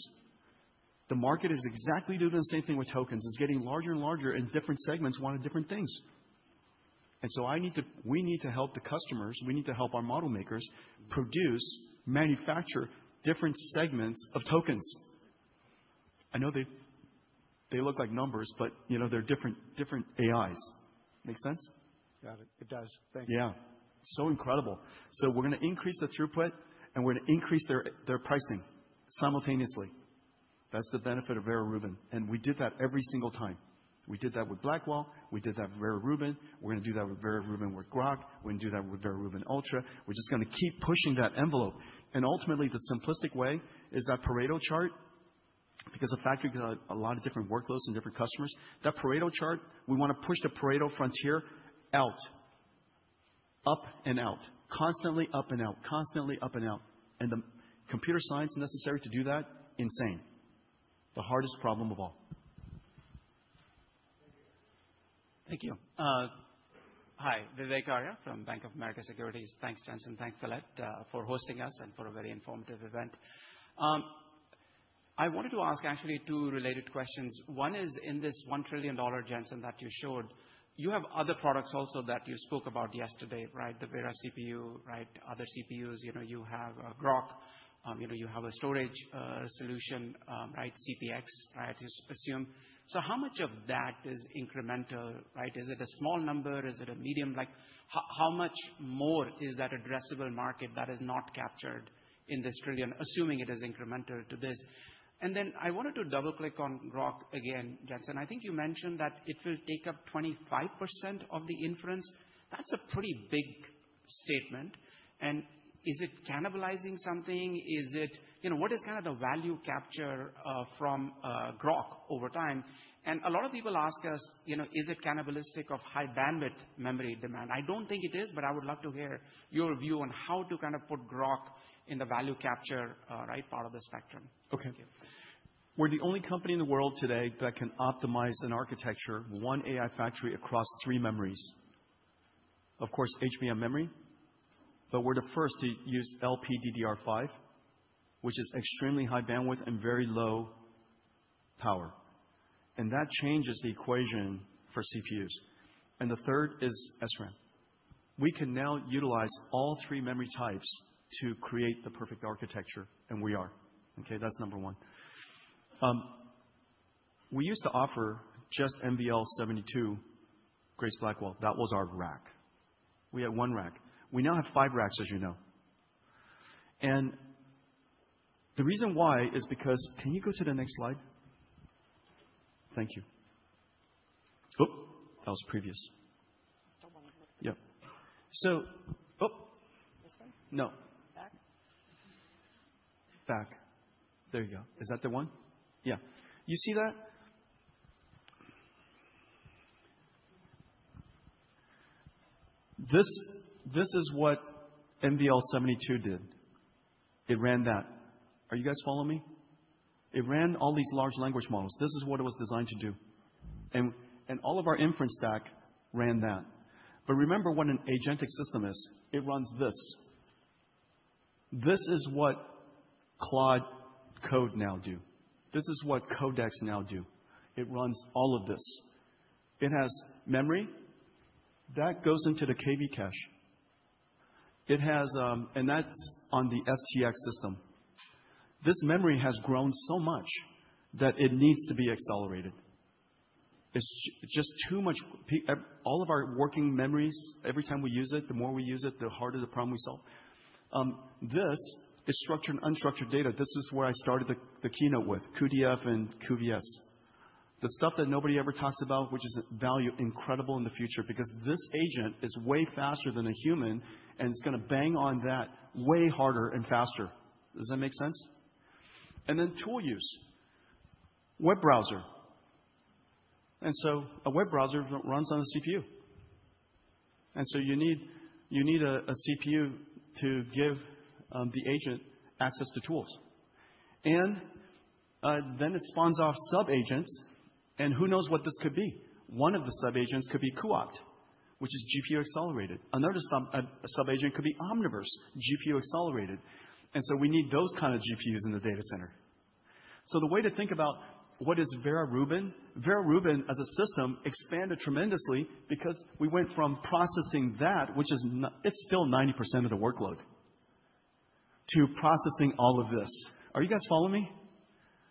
S3: The market is exactly doing the same thing with tokens. It's getting larger and larger, and different segments wanted different things. We need to help the customers, we need to help our model makers produce, manufacture different segments of tokens. I know they look like numbers, but, you know, they're different AIs. Make sense?
S6: Got it. It does. Thank you.
S3: Yeah. Incredible. We're gonna increase the throughput, and we're gonna increase their pricing simultaneously. That's the benefit of Vera Rubin, and we did that every single time. We did that with Blackwell. We did that with Vera Rubin. We're gonna do that with Vera Rubin with Groq. We're gonna do that with Vera Rubin Ultra. We're just gonna keep pushing that envelope. Ultimately, the simplistic way is that Pareto chart, because the factory got a lot of different workloads and different customers. That Pareto chart, we wanna push the Pareto frontier out. Up and out. Constantly up and out. Constantly up and out. The computer science necessary to do that, insane. The hardest problem of all.
S6: Thank you.
S3: Thank you.
S7: Hi. Vivek Arya from Bank of America Securities. Thanks, Jensen. Thanks, Colette, for hosting us and for a very informative event. I wanted to ask actually two related questions. One is, in this $1 trillion, Jensen, that you showed, you have other products also that you spoke about yesterday, right? The Vera CPU, right? Other CPUs, you know, you have Groq. You know, you have a storage solution, right, CPO, right, as assumed. How much of that is incremental, right? Is it a small number? Is it a medium? Like, how much more is that addressable market that is not captured in this trillion, assuming it is incremental to this? Then I wanted to double-click on Groq again, Jensen. I think you mentioned that it will take up 25% of the inference. That's a pretty big statement. Is it cannibalizing something? Is it you know, what is kinda the value capture from Groq over time? A lot of people ask us, you know, is it cannibalistic of high bandwidth memory demand? I don't think it is, but I would love to hear your view on how to kind of put Groq in the value capture right part of the spectrum.
S3: Okay.
S7: Thank you.
S3: We're the only company in the world today that can optimize an architecture, one AI factory across three memories. Of course, HBM memory, but we're the first to use LPDDR5, which is extremely high bandwidth and very low power. That changes the equation for CPUs. The third is SRAM. We can now utilize all three memory types to create the perfect architecture, and we are. Okay, that's number one. We used to offer just NVL72 Grace Blackwell. That was our rack. We had one rack. We now have five racks, as you know. The reason why is because. Can you go to the next slide? Thank you. Oops, that was previous.
S7: Still one.
S3: Yeah.
S7: This one?
S3: No.
S7: Back?
S3: Back. There you go. Is that the one? Yeah. You see that? This is what NVL72 did. It ran that. Are you guys following me? It ran all these large language models. This is what it was designed to do. All of our inference stack ran that. Remember what an agentic system is. It runs this. This is what Claude Code now do. This is what Codex now do. It runs all of this. It has memory. That goes into the KV cache. It has. That's on the MGX system. This memory has grown so much that it needs to be accelerated. It's just too much. All of our working memories, every time we use it, the more we use it, the harder the problem we solve. This is structured and unstructured data. This is where I started the keynote with cuDF and cuVS. The stuff that nobody ever talks about, which is incredible value in the future because this agent is way faster than a human, and it's gonna bang on that way harder and faster. Does that make sense? Then tool use. Web browser. A web browser runs on a CPU. You need a CPU to give the agent access to tools. Then it spawns off sub-agents, and who knows what this could be. One of the sub-agents could be cuOpt, which is GPU accelerated. Another sub-agent could be Omniverse, GPU accelerated. We need those kind of GPUs in the data center. The way to think about what is Vera Rubin. Vera Rubin as a system expanded tremendously because we went from processing that, which is still 90% of the workload, to processing all of this. Are you guys following me?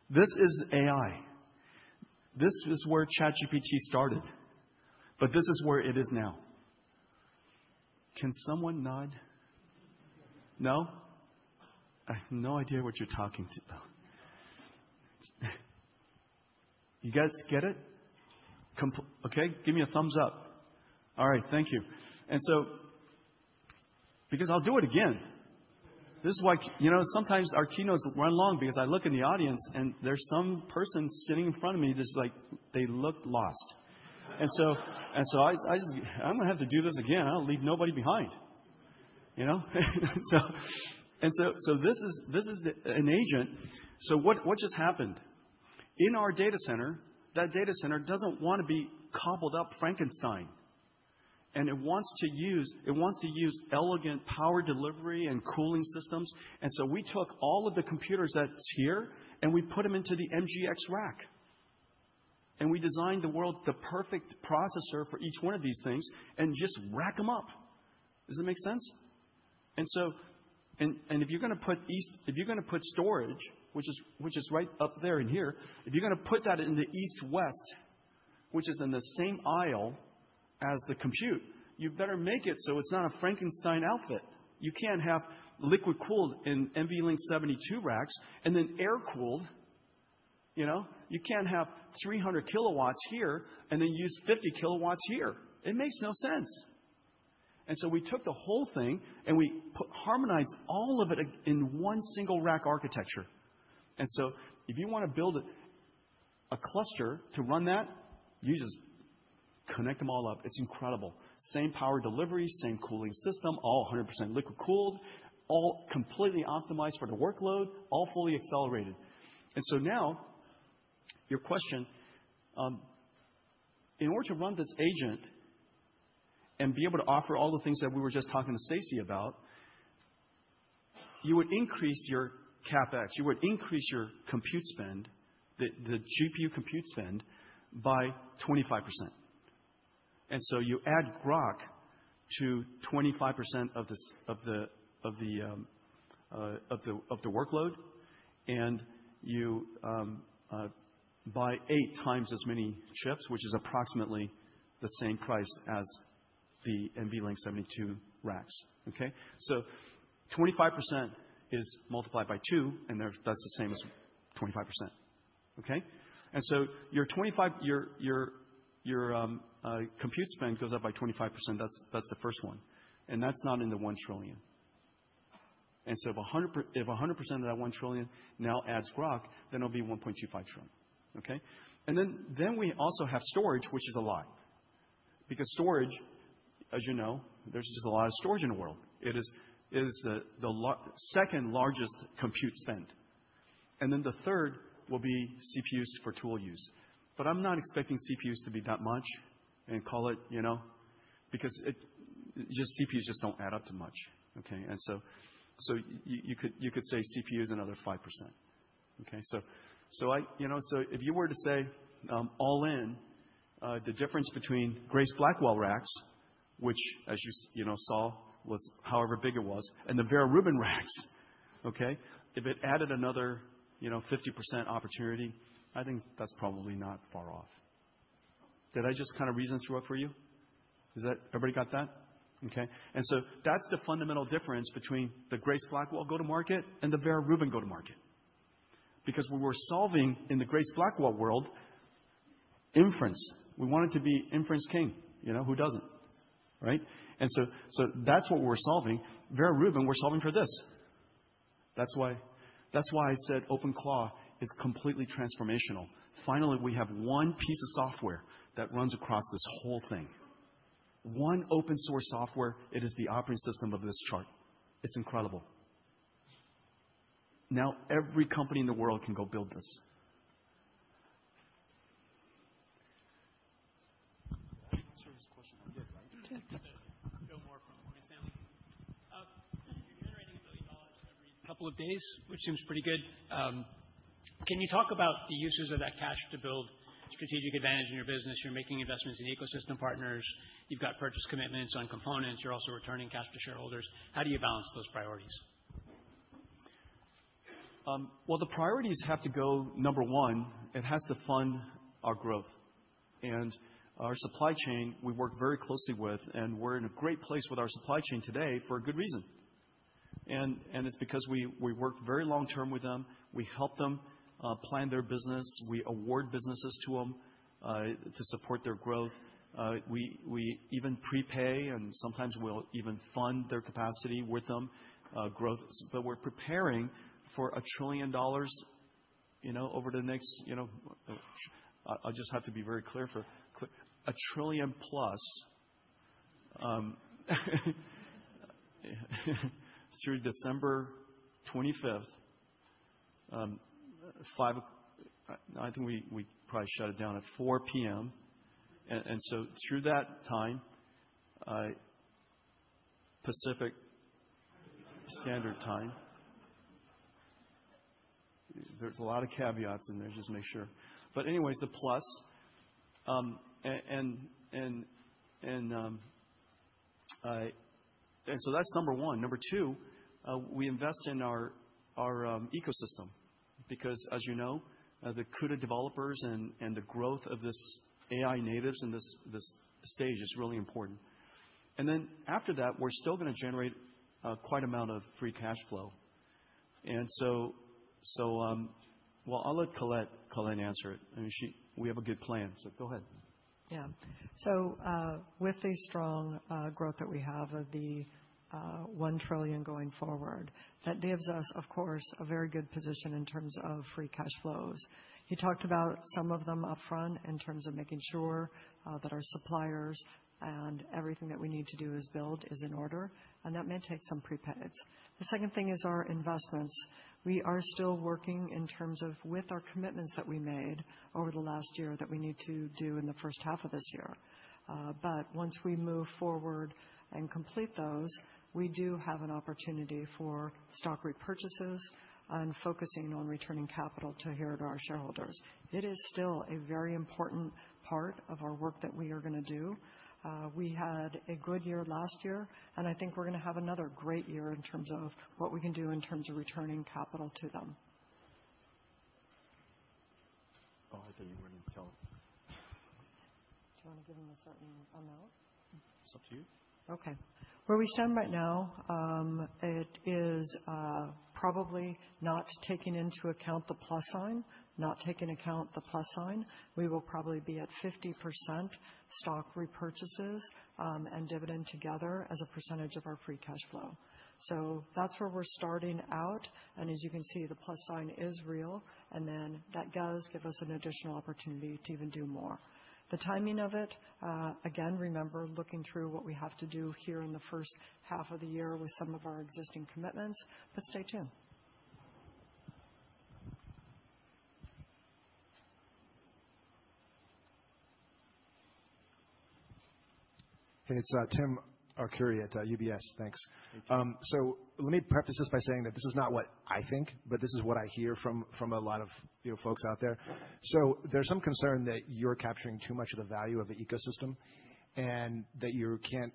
S3: This is AI. This is where ChatGPT started, but this is where it is now. Can someone nod?
S7: Yes.
S3: You guys get it? Okay. Give me a thumbs up. All right. Thank you. Because I'll do it again. This is why. You know, sometimes our keynotes run long because I look in the audience, and there's some person sitting in front of me just like, they look lost. I just. I'm gonna have to do this again. I'll leave nobody behind. You know? This is an agent. What just happened? In our data center, that data center doesn't wanna be cobbled up Frankenstein. It wants to use elegant power delivery and cooling systems. We took all of the computers that's here, and we put them into the MGX rack. We designed the world's perfect processor for each one of these things and just rack them up. Does that make sense? If you're gonna put storage, which is right up there and here, if you're gonna put that into east-west, which is in the same aisle as the compute, you better make it so it's not a Frankenstein outfit. You can't have liquid cooled in NVLink 72 racks and then air-cooled, you know? You can't have 300 kW here and then use 50 kW here. It makes no sense. We took the whole thing and harmonized all of it in one single rack architecture. If you wanna build a cluster to run that, you just connect them all up. It's incredible. Same power delivery, same cooling system, all 100% liquid-cooled, all completely optimized for the workload, all fully accelerated. Now your question, in order to run this agent and be able to offer all the things that we were just talking to Stacy about, you would increase your CapEx. You would increase your compute spend, the GPU compute spend, by 25%. You add Groq to 25% of this of the workload, and you buy 8x as many chips, which is approximately the same price as the NVLink 72 racks, okay? 25% is multiplied by two, and that's the same as 25%, okay? Your compute spend goes up by 25%. That's the first one. That's not in the $1 trillion. If 100% of that $1 trillion now adds Groq, then it'll be $1.25 trillion, okay? We also have storage, which is a lot. Because storage, as you know, there's just a lot of storage in the world. It is the second largest compute spend. The third will be CPUs for tool use. I'm not expecting CPUs to be that much and call it, you know, because just CPUs don't add up to much, okay? You could say CPU is another 5%, okay? I, you know, if you were to say, all in, the difference between Grace Blackwell racks, which as you know, saw was however big it was, and the Vera Rubin racks, okay? If it added another, you know, 50% opportunity, I think that's probably not far off. Did I just kind of reason through it for you? Is that? Everybody got that? Okay. That's the fundamental difference between the Grace Blackwell go-to-market and the Vera Rubin go-to-market. Because what we're solving in the Grace Blackwell world, inference. We want it to be inference king, you know? Who doesn't, right? That's what we're solving. Vera Rubin, we're solving for this. That's why, that's why I said OpenCL is completely transformational. Finally, we have one piece of software that runs across this whole thing. One open source software, it is the operating system of this chart. It's incredible. Now every company in the world can go build this.
S1: Answer this question again, right?
S8: Joe Moore from Morgan Stanley. You're generating $1 billion every couple of days, which seems pretty good. Can you talk about the uses of that cash to build strategic advantage in your business? You're making investments in ecosystem partners, you've got purchase commitments on components, you're also returning cash to shareholders. How do you balance those priorities?
S3: Well, the priorities have to go, number one, it has to fund our growth. Our supply chain we work very closely with, and we're in a great place with our supply chain today for a good reason. It's because we work very long-term with them. We help them plan their business. We award businesses to 'em to support their growth. We even prepay and sometimes we'll even fund their capacity with them growth. We're preparing for $1 trillion, you know, over the next, you know. I just have to be very clear a trillion plus through December 25, 2025. I think we probably shut it down at 4:00 P.M. through that time, Pacific Standard Time. There's a lot of caveats in there, just make sure. Anyways, the plus. That's number one. Number two, we invest in our ecosystem because as you know, the CUDA developers and the growth of this AI natives in this stage is really important. After that, we're still gonna generate quite amount of free cash flow. Well, I'll let Colette answer it. I mean, she. We have a good plan, so go ahead.
S2: Yeah. With the strong growth that we have of the $1 trillion going forward, that gives us, of course, a very good position in terms of free cash flows. He talked about some of them upfront in terms of making sure that our suppliers and everything that we need to do is built in order, and that may take some prepays. The second thing is our investments. We are still working in terms of with our commitments that we made over the last year that we need to do in the first half of this year. Once we move forward and complete those, we do have an opportunity for stock repurchases and focusing on returning capital to our shareholders. It is still a very important part of our work that we are gonna do. We had a good year last year, and I think we're gonna have another great year in terms of what we can do in terms of returning capital to them.
S3: Oh, I thought you weren't gonna tell him.
S2: Do you wanna give him a certain amount?
S3: It's up to you.
S2: Okay. Where we stand right now, it is probably not taking into account the plus sign, we will probably be at 50% stock repurchases and dividend together as a percentage of our free cash flow. That's where we're starting out, and as you can see, the plus sign is real, and then that does give us an additional opportunity to even do more. The timing of it, again, remember looking through what we have to do here in the first half of the year with some of our existing commitments, but stay tuned.
S9: Hey, it's Timothy Arcuri at UBS. Thanks. Let me preface this by saying that this is not what I think, but this is what I hear from a lot of, you know, folks out there. There's some concern that you're capturing too much of the value of the ecosystem and that you can't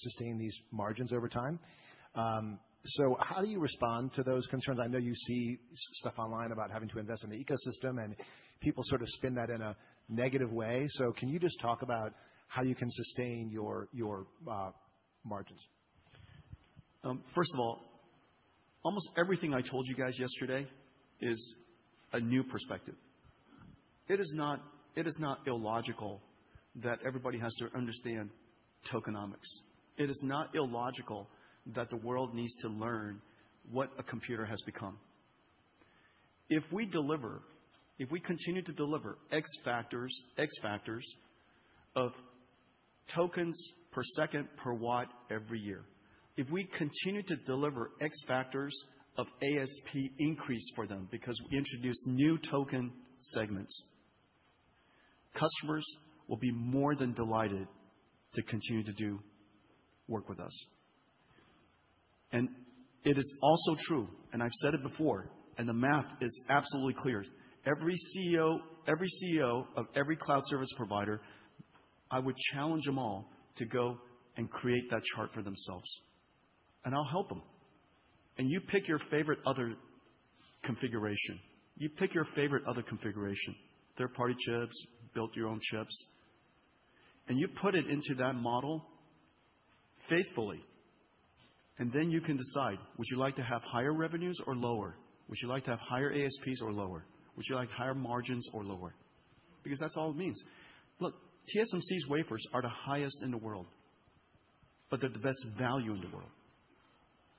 S9: sustain these margins over time. How do you respond to those concerns? I know you see stuff online about having to invest in the ecosystem and people sort of spin that in a negative way. Can you just talk about how you can sustain your margins?
S3: First of all, almost everything I told you guys yesterday is a new perspective. It is not illogical that everybody has to understand tokenomics. It is not illogical that the world needs to learn what a computer has become. If we continue to deliver X factors of tokens per second per watt every year, if we continue to deliver X factors of ASP increase for them because we introduce new token segments, customers will be more than delighted to continue to do work with us. It is also true, and I've said it before, and the math is absolutely clear. Every CEO of every cloud service provider, I would challenge them all to go and create that chart for themselves, and I'll help them. You pick your favorite other configuration. Third-party chips, build your own chips, and you put it into that model faithfully, and then you can decide, would you like to have higher revenues or lower? Would you like to have higher ASPs or lower? Would you like higher margins or lower? Because that's all it means. Look, TSMC's wafers are the highest in the world, but they're the best value in the world,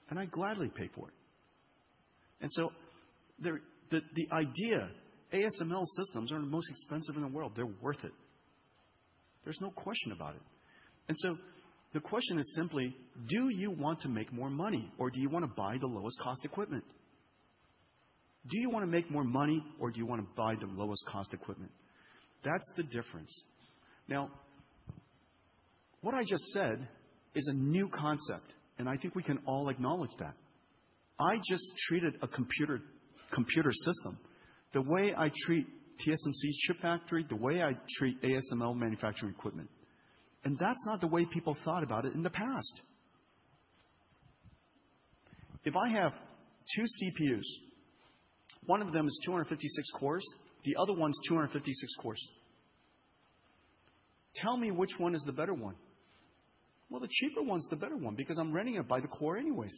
S3: and I gladly pay for it. ASML systems are the most expensive in the world. They're worth it. There's no question about it. The question is simply, do you want to make more money or do you wanna buy the lowest cost equipment? Do you wanna make more money or do you wanna buy the lowest cost equipment? That's the difference. Now, what I just said is a new concept, and I think we can all acknowledge that. I just treated a computer system the way I treat TSMC's chip factory, the way I treat ASML manufacturing equipment, and that's not the way people thought about it in the past. If I have two CPUs, one of them is 256 cores, the other one's 256 cores. Tell me which one is the better one. Well, the cheaper one's the better one because I'm renting it by the core anyways.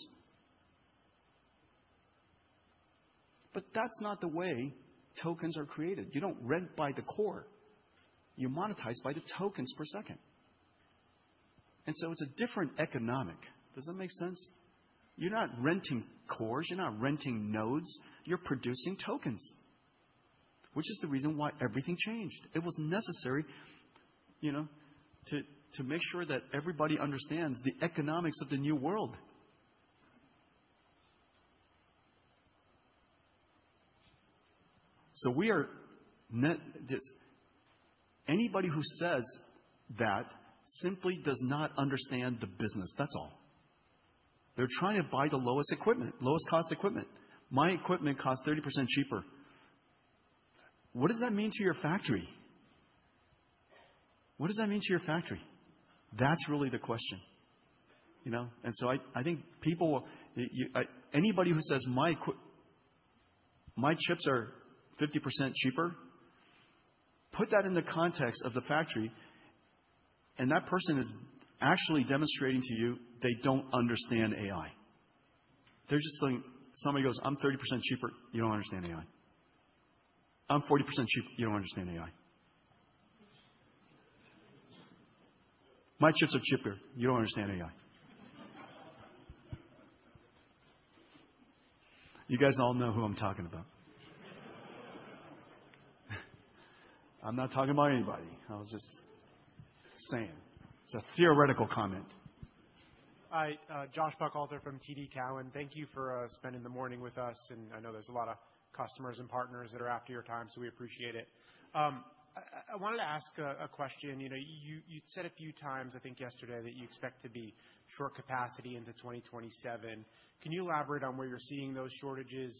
S3: But that's not the way tokens are created. You don't rent by the core. You monetize by the tokens per second. And so it's a different economy. Does that make sense? You're not renting cores, you're not renting nodes, you're producing tokens, which is the reason why everything changed. It was necessary, you know, to make sure that everybody understands the economics of the new world. Anybody who says that simply does not understand the business. That's all. They're trying to buy the lowest equipment, lowest cost equipment. My equipment costs 30% cheaper. What does that mean to your factory? What does that mean to your factory? That's really the question, you know? I think people. Anybody who says my chips are 50% cheaper, put that in the context of the factory, and that person is actually demonstrating to you they don't understand AI. They're just saying. Somebody goes, "I'm 30% cheaper." You don't understand AI. "I'm 40% cheaper." You don't understand AI. "My chips are cheaper." You don't understand AI. You guys all know who I'm talking about. I'm not talking about anybody. I was just saying. It's a theoretical comment.
S10: Hi, Joshua Buchalter from TD Cowen. Thank you for spending the morning with us, and I know there's a lot of customers and partners that are after your time, so we appreciate it. I wanted to ask a question. You know, you said a few times, I think yesterday, that you expect to be short capacity into 2027. Can you elaborate on where you're seeing those shortages?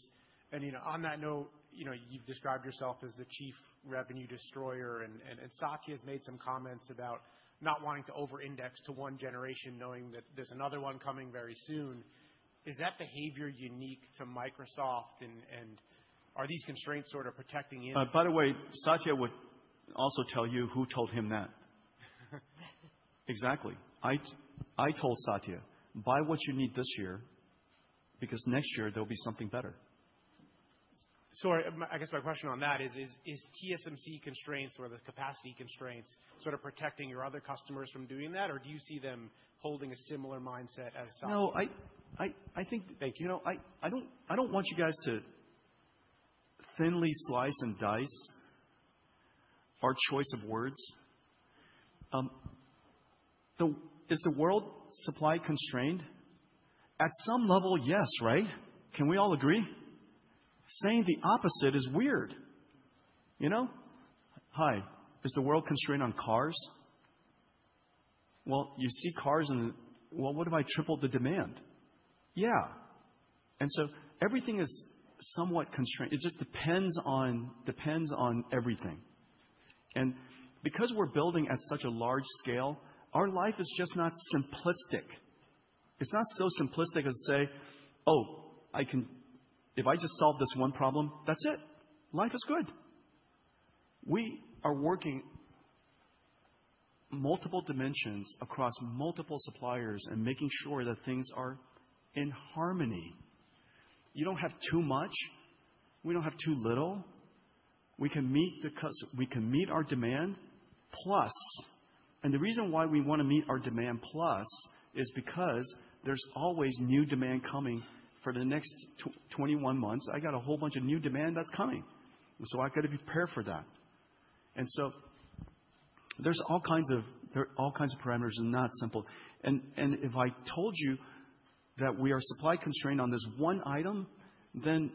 S10: You know, on that note, you know, you've described yourself as the chief revenue destroyer and Satya's made some comments about not wanting to over-index to one generation knowing that there's another one coming very soon. Is that behavior unique to Microsoft and are these constraints sort of protecting you?
S3: By the way, Satya would also tell you who told him that. Exactly. I told Satya, "Buy what you need this year, because next year there'll be something better.
S10: I guess my question on that is TSMC constraints or the capacity constraints sort of protecting your other customers from doing that? Or do you see them holding a similar mindset as Satya?
S3: No, I think that. You know, I don't want you guys to thinly slice and dice our choice of words. Is the world supply constrained? At some level, yes, right? Can we all agree? Saying the opposite is weird. You know? Hi. Is the world constrained on cars? Well, what if I tripled the demand? Yeah. Everything is somewhat constrained. It just depends on everything. Because we're building at such a large scale, our life is just not simplistic. It's not so simplistic as to say, "Oh, if I just solve this one problem, that's it. Life is good." We are working multiple dimensions across multiple suppliers and making sure that things are in harmony. You don't have too much. We don't have too little. We can meet our demand, plus. The reason why we wanna meet our demand plus is because there's always new demand coming for the next 21 months. I got a whole bunch of new demand that's coming, and so I gotta prepare for that. There are all kinds of parameters and not simple. If I told you that we are supply constrained on this one item, then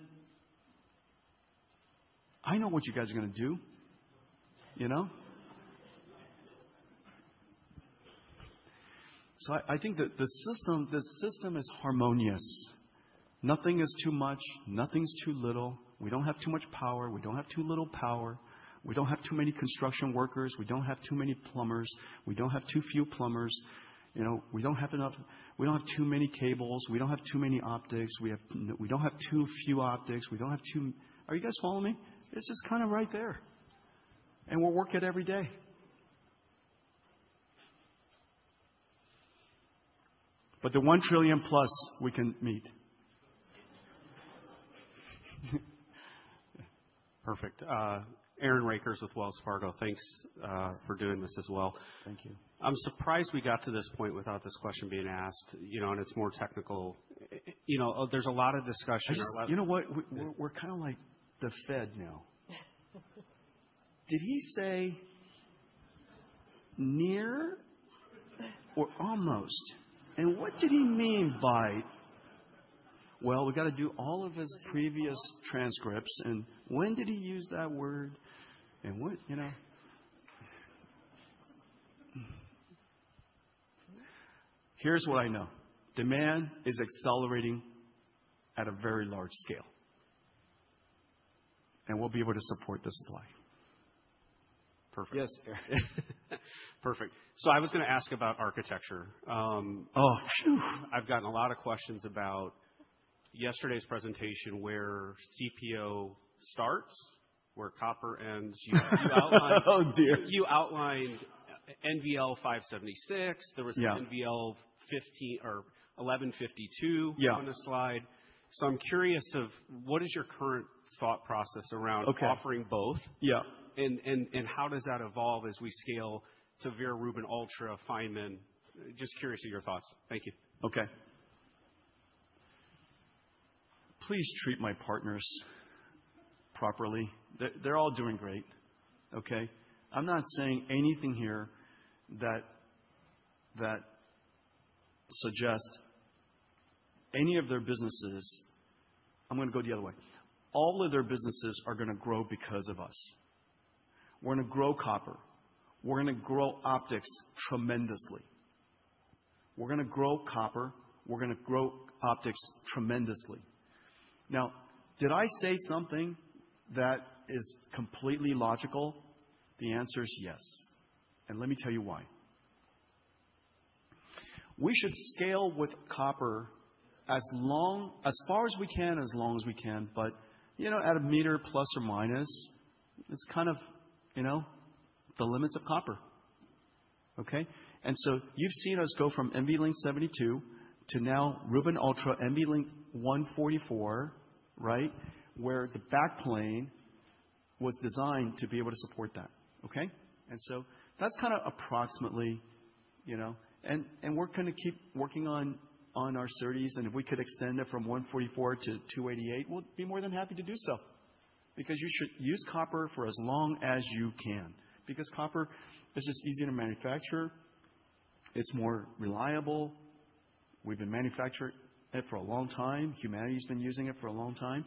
S3: I know what you guys are gonna do. You know? I think the system is harmonious. Nothing is too much. Nothing's too little. We don't have too much power. We don't have too little power. We don't have too many construction workers. We don't have too many plumbers. We don't have too few plumbers. You know, we don't have enough. We don't have too many cables. We don't have too many optics. We don't have too few optics. Are you guys following me? It's just kinda right there. We're working every day. The $1 trillion+ we can meet.
S11: Perfect. Aaron Rakers with Wells Fargo. Thanks for doing this as well.
S3: Thank you.
S11: I'm surprised we got to this point without this question being asked, you know, and it's more technical. You know, there's a lot of discussions.
S3: You know what? We're kinda like the Fed now. Did he say near or almost? What did he mean by? Well, we gotta do all of his previous transcripts. When did he use that word and what, you know? Here's what I know. Demand is accelerating at a very large scale. We'll be able to support the supply.
S11: Perfect.
S3: Yes.
S11: Perfect. I was gonna ask about architecture.
S3: Oh, phew.
S11: I've gotten a lot of questions about yesterday's presentation, where CPO starts, where copper ends.
S3: Oh, dear.
S11: You outlined NVL576.
S3: Yeah.
S11: There was an NVL1152 on the slide. I'm curious of what is your current thought process around offering both.
S3: Yeah.
S11: How does that evolve as we scale to Rubin Ultra, Feynman? Just curious of your thoughts. Thank you.
S3: Okay. Please treat my partners properly. They're all doing great. Okay? I'm not saying anything here that suggests any of their businesses. I'm gonna go the other way. All of their businesses are gonna grow because of us. We're gonna grow copper. We're gonna grow optics tremendously. Now, did I say something that is completely logical? The answer is yes. Let me tell you why. We should scale with copper as far as we can, as long as we can. But you know, at a meter plus or minus, it's kind of, you know, the limits of copper. Okay? You've seen us go from NVL72 to now Rubin Ultra NVL144, right? Where the back plane was designed to be able to support that. Okay? That's kinda approximately, you know. We're gonna keep working on our series, and if we could extend it from 144 to 288, we'll be more than happy to do so, because you should use copper for as long as you can, because copper is just easier to manufacture. It's more reliable. We've been manufacturing it for a long time. Humanity's been using it for a long time.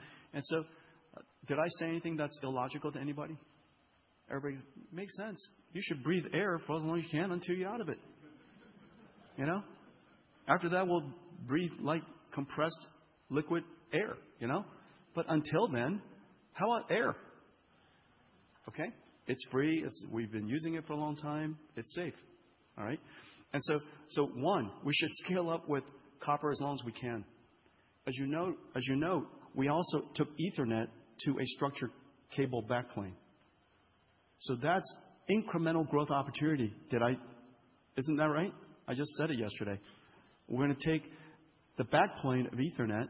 S3: Did I say anything that's illogical to anybody? Everybody makes sense. You should breathe air for as long as you can until you're out of it. You know? After that, we'll breathe like compressed liquid air, you know. But until then, how about air? Okay? It's free. We've been using it for a long time. It's safe, all right. We should scale up with copper as long as we can. As you know, we also took Ethernet to a structured cable back plane. That's incremental growth opportunity. Isn't that right? I just said it yesterday. We're gonna take the back plane of Ethernet,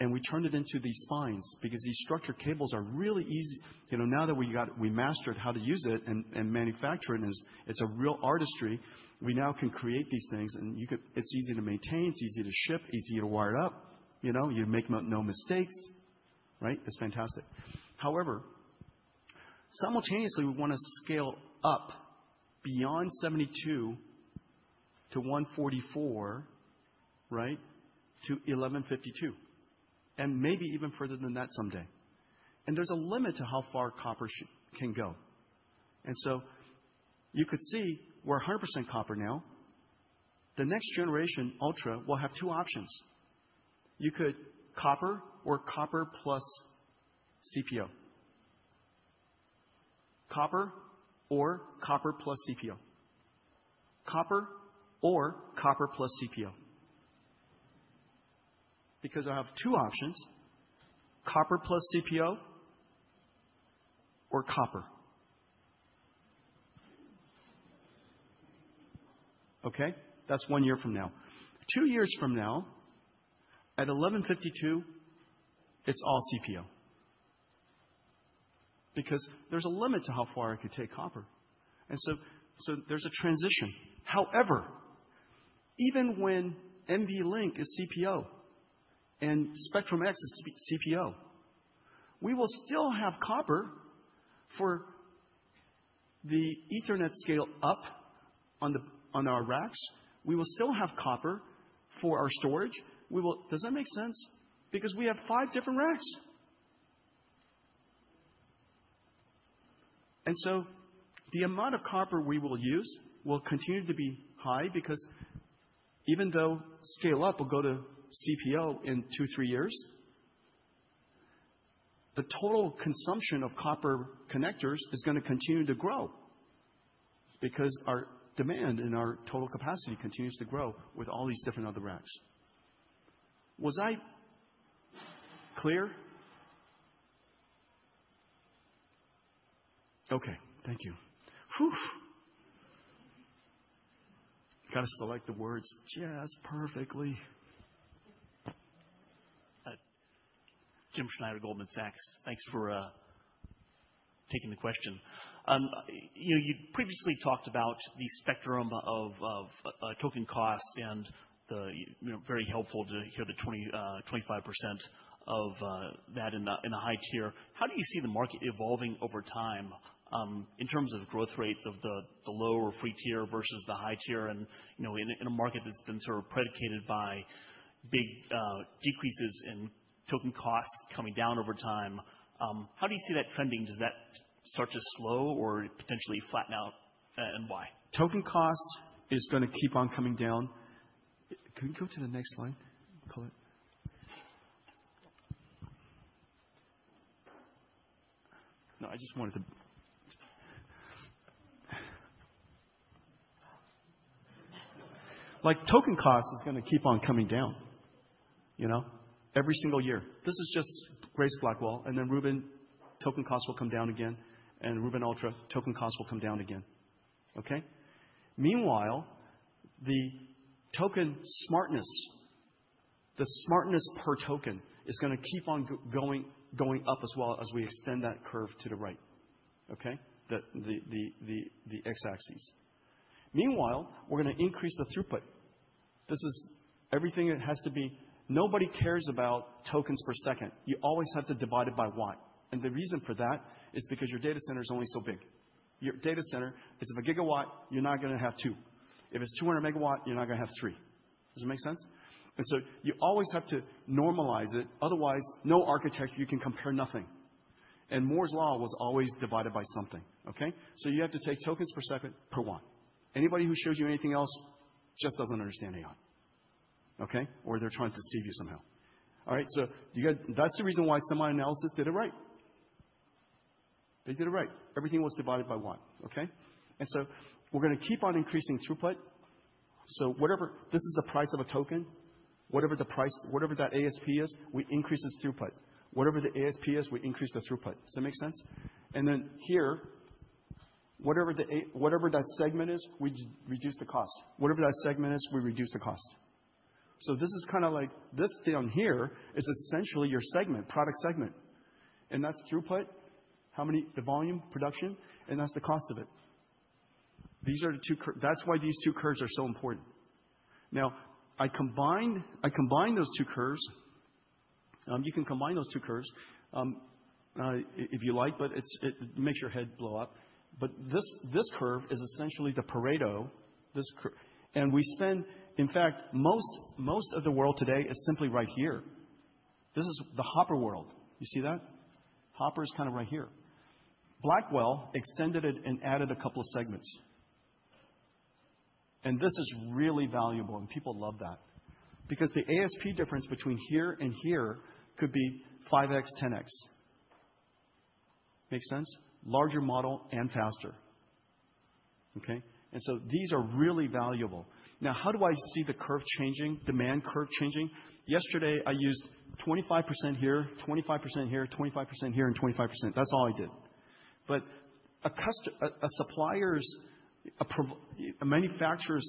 S3: and we turned it into these spines, because these structured cables are really easy. You know, now that we mastered how to use it and manufacture it, and it's a real artistry, we now can create these things and you could. It's easy to maintain, it's easy to ship, easy to wire it up. You know, you make no mistakes, right? It's fantastic. However, simultaneously, we wanna scale up beyond 72 to 144, right? To 1,152, and maybe even further than that someday. There's a limit to how far copper can go. You could see we're 100% copper now. The next generation Ultra will have two options. You could copper or copper plus CPO. Because I have two options: copper plus CPO or copper. Okay? That's one year from now. Two years from now, at NVL1152, it's all CPO. There's a limit to how far I could take copper, so there's a transition. However, even when NVLink is CPO and Spectrum-X is CPO, we will still have copper for the Ethernet scale up on our racks. We will still have copper for our storage. Does that make sense? Because we have five different racks. The amount of copper we will use will continue to be high because even though scale up will go to CPO in two, three years, the total consumption of copper connectors is gonna continue to grow because our demand and our total capacity continues to grow with all these different other racks. Was I clear? Okay. Thank you. Gotta select the words just perfectly.
S12: Toshiya Hari at Goldman Sachs. Thanks for taking the question. You know, you previously talked about the spectrum of token costs and the, you know, very helpful to hear the 25% of that in the high tier. How do you see the market evolving over time in terms of growth rates of the low or free tier versus the high tier and, you know, in a market that's been sort of predicated by big decreases in token costs coming down over time, how do you see that trending? Does that start to slow or potentially flatten out and why?
S3: Token cost is gonna keep on coming down. Can we go to the next slide, Colette? Like, token cost is gonna keep on coming down, you know, every single year. This is just Grace Blackwell, and then Rubin token costs will come down again, and Rubin Ultra token costs will come down again. Okay? Meanwhile, the token smartness, the smartness per token is gonna keep on going up as well as we extend that curve to the right, okay? The x-axis. Meanwhile, we're gonna increase the throughput. This is everything that has to be. Nobody cares about tokens per second. You always have to divide it by watt. The reason for that is because your data center is only so big. Your data center is of a gigawatt, you're not gonna have two. If it's 200 MW, you're not gonna have three. Does it make sense? You always have to normalize it, otherwise, no architecture, you can compare nothing. Moore's Law was always divided by something, okay? You have to take tokens per second per watt. Anybody who shows you anything else just doesn't understand AI, okay? They're trying to deceive you somehow. All right, that's the reason why SemiAnalysis did it right. They did it right. Everything was divided by one, okay? We're gonna keep on increasing throughput. This is the price of a token, whatever the price, whatever that ASP is, we increase its throughput. Whatever the ASP is, we increase the throughput. Does that make sense? Here, whatever that segment is, we reduce the cost. Whatever that segment is, we reduce the cost. This is kinda like, this thing on here is essentially your segment, product segment, and that's throughput, the volume production, and that's the cost of it. These are the two curves. That's why these two curves are so important. Now, I combined those two curves. You can combine those two curves if you like, but it makes your head blow up. This curve is essentially the Pareto. In fact, most of the world today is simply right here. This is the Hopper world. You see that? Hopper is kinda right here. Blackwell extended it and added a couple of segments. This is really valuable, and people love that because the ASP difference between here and here could be 5x, 10x. Make sense? Larger model and faster. Okay? These are really valuable. Now, how do I see the curve changing, demand curve changing? Yesterday I used 25% here, 25% here, 25% here, and 25%. That's all I did. A supplier's, a manufacturer's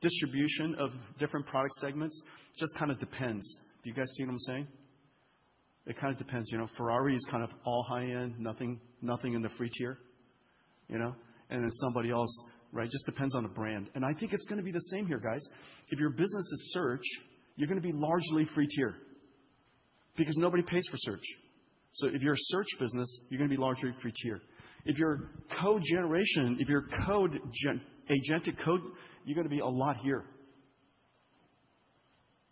S3: distribution of different product segments just kinda depends. Do you guys see what I'm saying? It kinda depends. You know, Ferrari is kind of all high-end, nothing in the free tier, you know. Then somebody else, right? Just depends on the brand. I think it's gonna be the same here, guys. If your business is search, you're gonna be largely free tier. Because nobody pays for search. If you're a search business, you're gonna be largely free tier. If you're code generation, if you're agentic code, you're gonna be a lot here.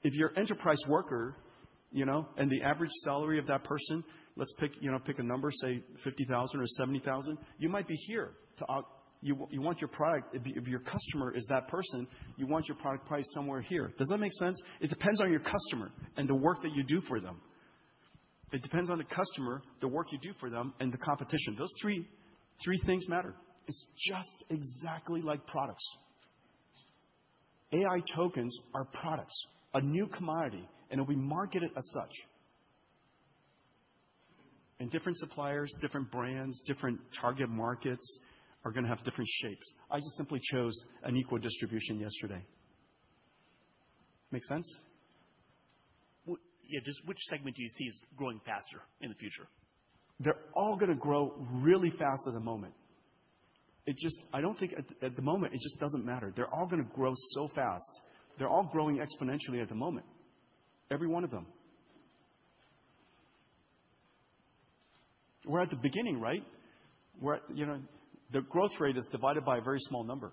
S3: If you're enterprise worker, you know, and the average salary of that person, let's pick, you know, pick a number, say $50,000 or $70,000, you might be here. You want your product. If your customer is that person, you want your product priced somewhere here. Does that make sense? It depends on your customer and the work that you do for them. It depends on the customer, the work you do for them, and the competition. Those three things matter. It's just exactly like products. AI tokens are products, a new commodity, and it'll be marketed as such. Different suppliers, different brands, different target markets are gonna have different shapes. I just simply chose an equal distribution yesterday. Make sense?
S12: Well, yeah. Just which segment do you see is growing faster in the future?
S3: They're all gonna grow really fast at the moment. At the moment, it just doesn't matter. They're all gonna grow so fast. They're all growing exponentially at the moment, every one of them. We're at the beginning, right? We're at, you know, the growth rate is divided by a very small number.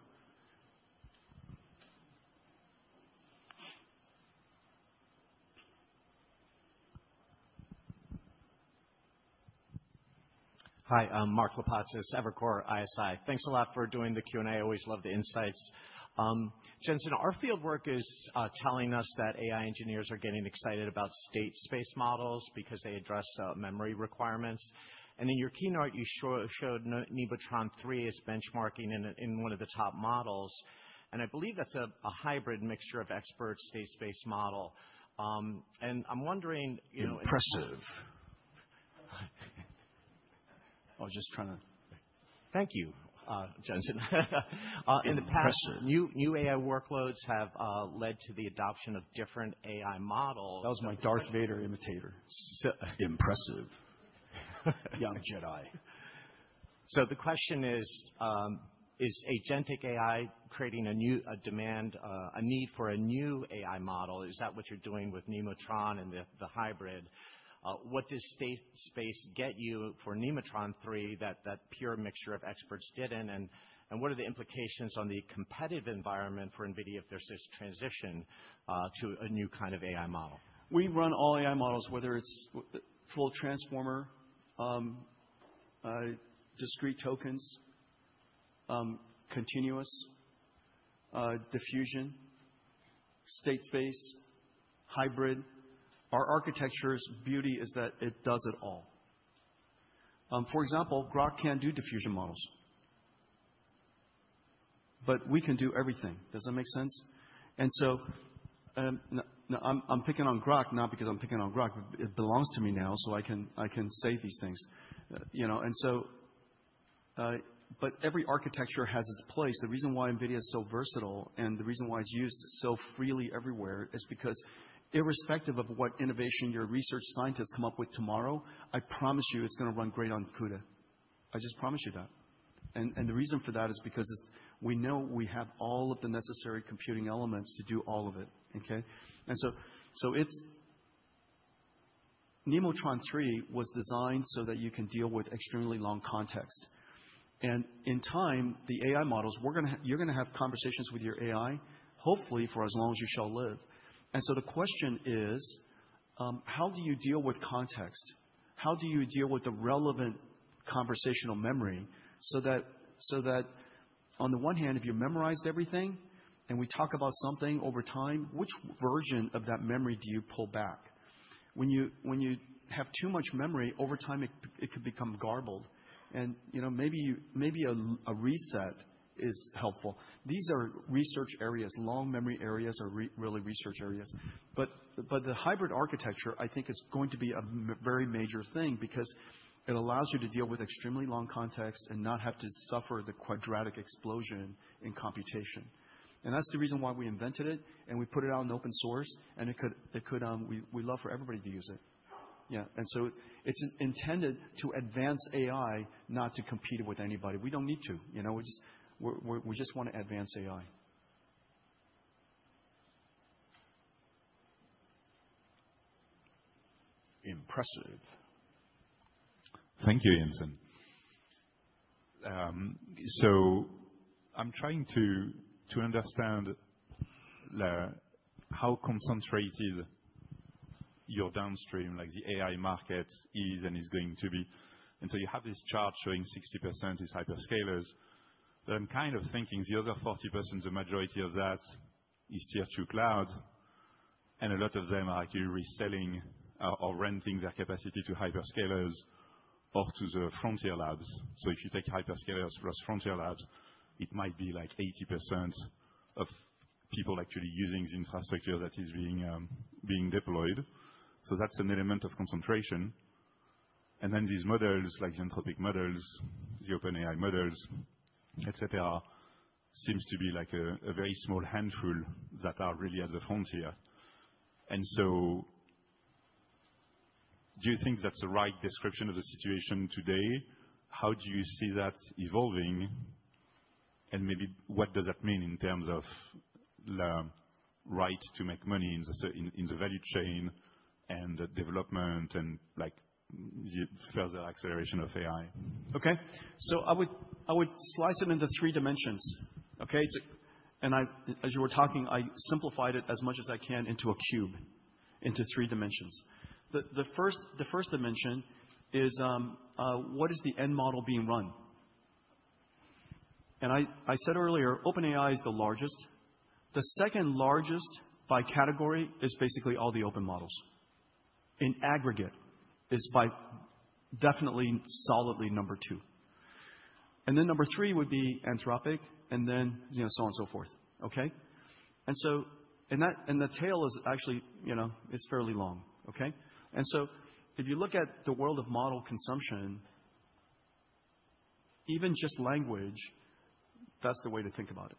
S13: Hi, I'm Mark Lipacis, Evercore ISI. Thanks a lot for doing the Q&A. Always love the insights. Jensen, our field work is telling us that AI engineers are getting excited about State Space Models because they address memory requirements. In your keynote, you showed Nemotron-3 is benchmarking in one of the top models, and I believe that's a hybrid Mixture of Experts State Space Model. I'm wondering, you know-
S3: Impressive.
S13: Thank you, Jensen.
S3: Impressive.
S13: In the past, new AI workloads have led to the adoption of different AI models.
S3: That was my Darth Vader imitation. So impressive. Young Jedi.
S13: The question is agentic AI creating a new demand, a need for a new AI model? Is that what you're doing with Nemotron and the hybrid? What does state space get you for Nemotron-3 that pure mixture of experts didn't and what are the implications on the competitive environment for NVIDIA if there's this transition to a new kind of AI model?
S3: We run all AI models, whether it's full Transformer, discrete tokens, continuous, diffusion, state space, hybrid. Our architecture's beauty is that it does it all. For example, Groq can't do diffusion models. But we can do everything. Does that make sense? No, I'm picking on Groq not because I'm picking on Groq. It belongs to me now, so I can say these things. You know, but every architecture has its place. The reason why NVIDIA is so versatile and the reason why it's used so freely everywhere is because irrespective of what innovation your research scientists come up with tomorrow, I promise you it's gonna run great on CUDA. I just promise you that. The reason for that is because it's, we know we have all of the necessary computing elements to do all of it, okay? Nemotron-3 was designed so that you can deal with extremely long context. In time, the AI models, you're gonna have conversations with your AI, hopefully for as long as you shall live. The question is, how do you deal with context? How do you deal with the relevant conversational memory so that on the one hand, if you memorized everything and we talk about something over time, which version of that memory do you pull back? When you have too much memory, over time, it could become garbled and, you know, maybe a reset is helpful. These are research areas. Long memory areas are really research areas. But the hybrid architecture, I think is going to be a very major thing because it allows you to deal with extremely long context and not have to suffer the quadratic explosion in computation. That's the reason why we invented it, and we put it out in open source, and it could. We love for everybody to use it. Yeah. It's intended to advance AI, not to compete with anybody. We don't need to. We just wanna advance AI. Impressive.
S14: Thank you, Jensen. I'm trying to understand how concentrated your downstream, like the AI market is and is going to be. You have this chart showing 60% is hyperscalers. I'm kind of thinking the other 40%, the majority of that is Tier two clouds, and a lot of them are actually reselling or renting their capacity to hyperscalers or to the frontier labs. If you take hyperscalers plus frontier labs, it might be like 80% of people actually using the infrastructure that is being deployed. That's an element of concentration. These models, like the Anthropic models, the OpenAI models, et cetera, seems to be like a very small handful that are really at the frontier. Do you think that's the right description of the situation today? How do you see that evolving? Maybe what does that mean in terms of the right to make money in the value chain and the development and like the further acceleration of AI?
S3: Okay. I would slice it into three dimensions, okay? As you were talking, I simplified it as much as I can into a cube, into three dimensions. The first dimension is what is the end model being run? I said earlier, OpenAI is the largest. The second largest by category is basically all the open models. In aggregate, it's by far definitely solidly number two. Number three would be Anthropic, and then, so on and so forth. Okay? The tail is actually, you know, fairly long. Okay? If you look at the world of model consumption, even just language, that's the way to think about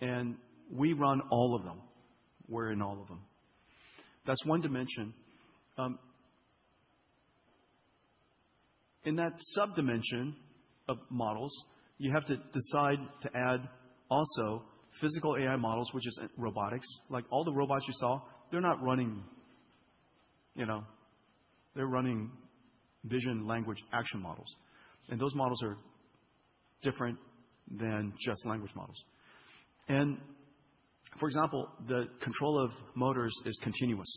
S3: it. We run all of them. We're in all of them. That's one dimension. In that sub-dimension of models, you have to decide to add also physical AI models, which is robotics. Like all the robots you saw, they're not running, you know, they're running vision-language-action models. Those models are different than just language models. For example, the control of motors is continuous.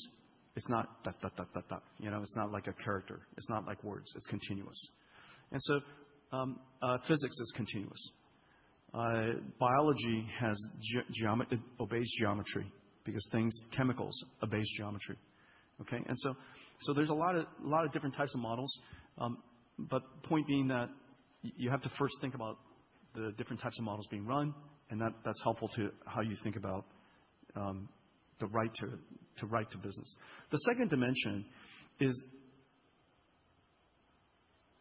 S3: It's not da, da, da. You know, it's not like a character. It's not like words. It's continuous. Physics is continuous. Biology has geometry. It obeys geometry because things, chemicals, obeys geometry. Okay. There's a lot of different types of models. But point being that you have to first think about the different types of models being run, and that's helpful to how you think about the right business. The second dimension is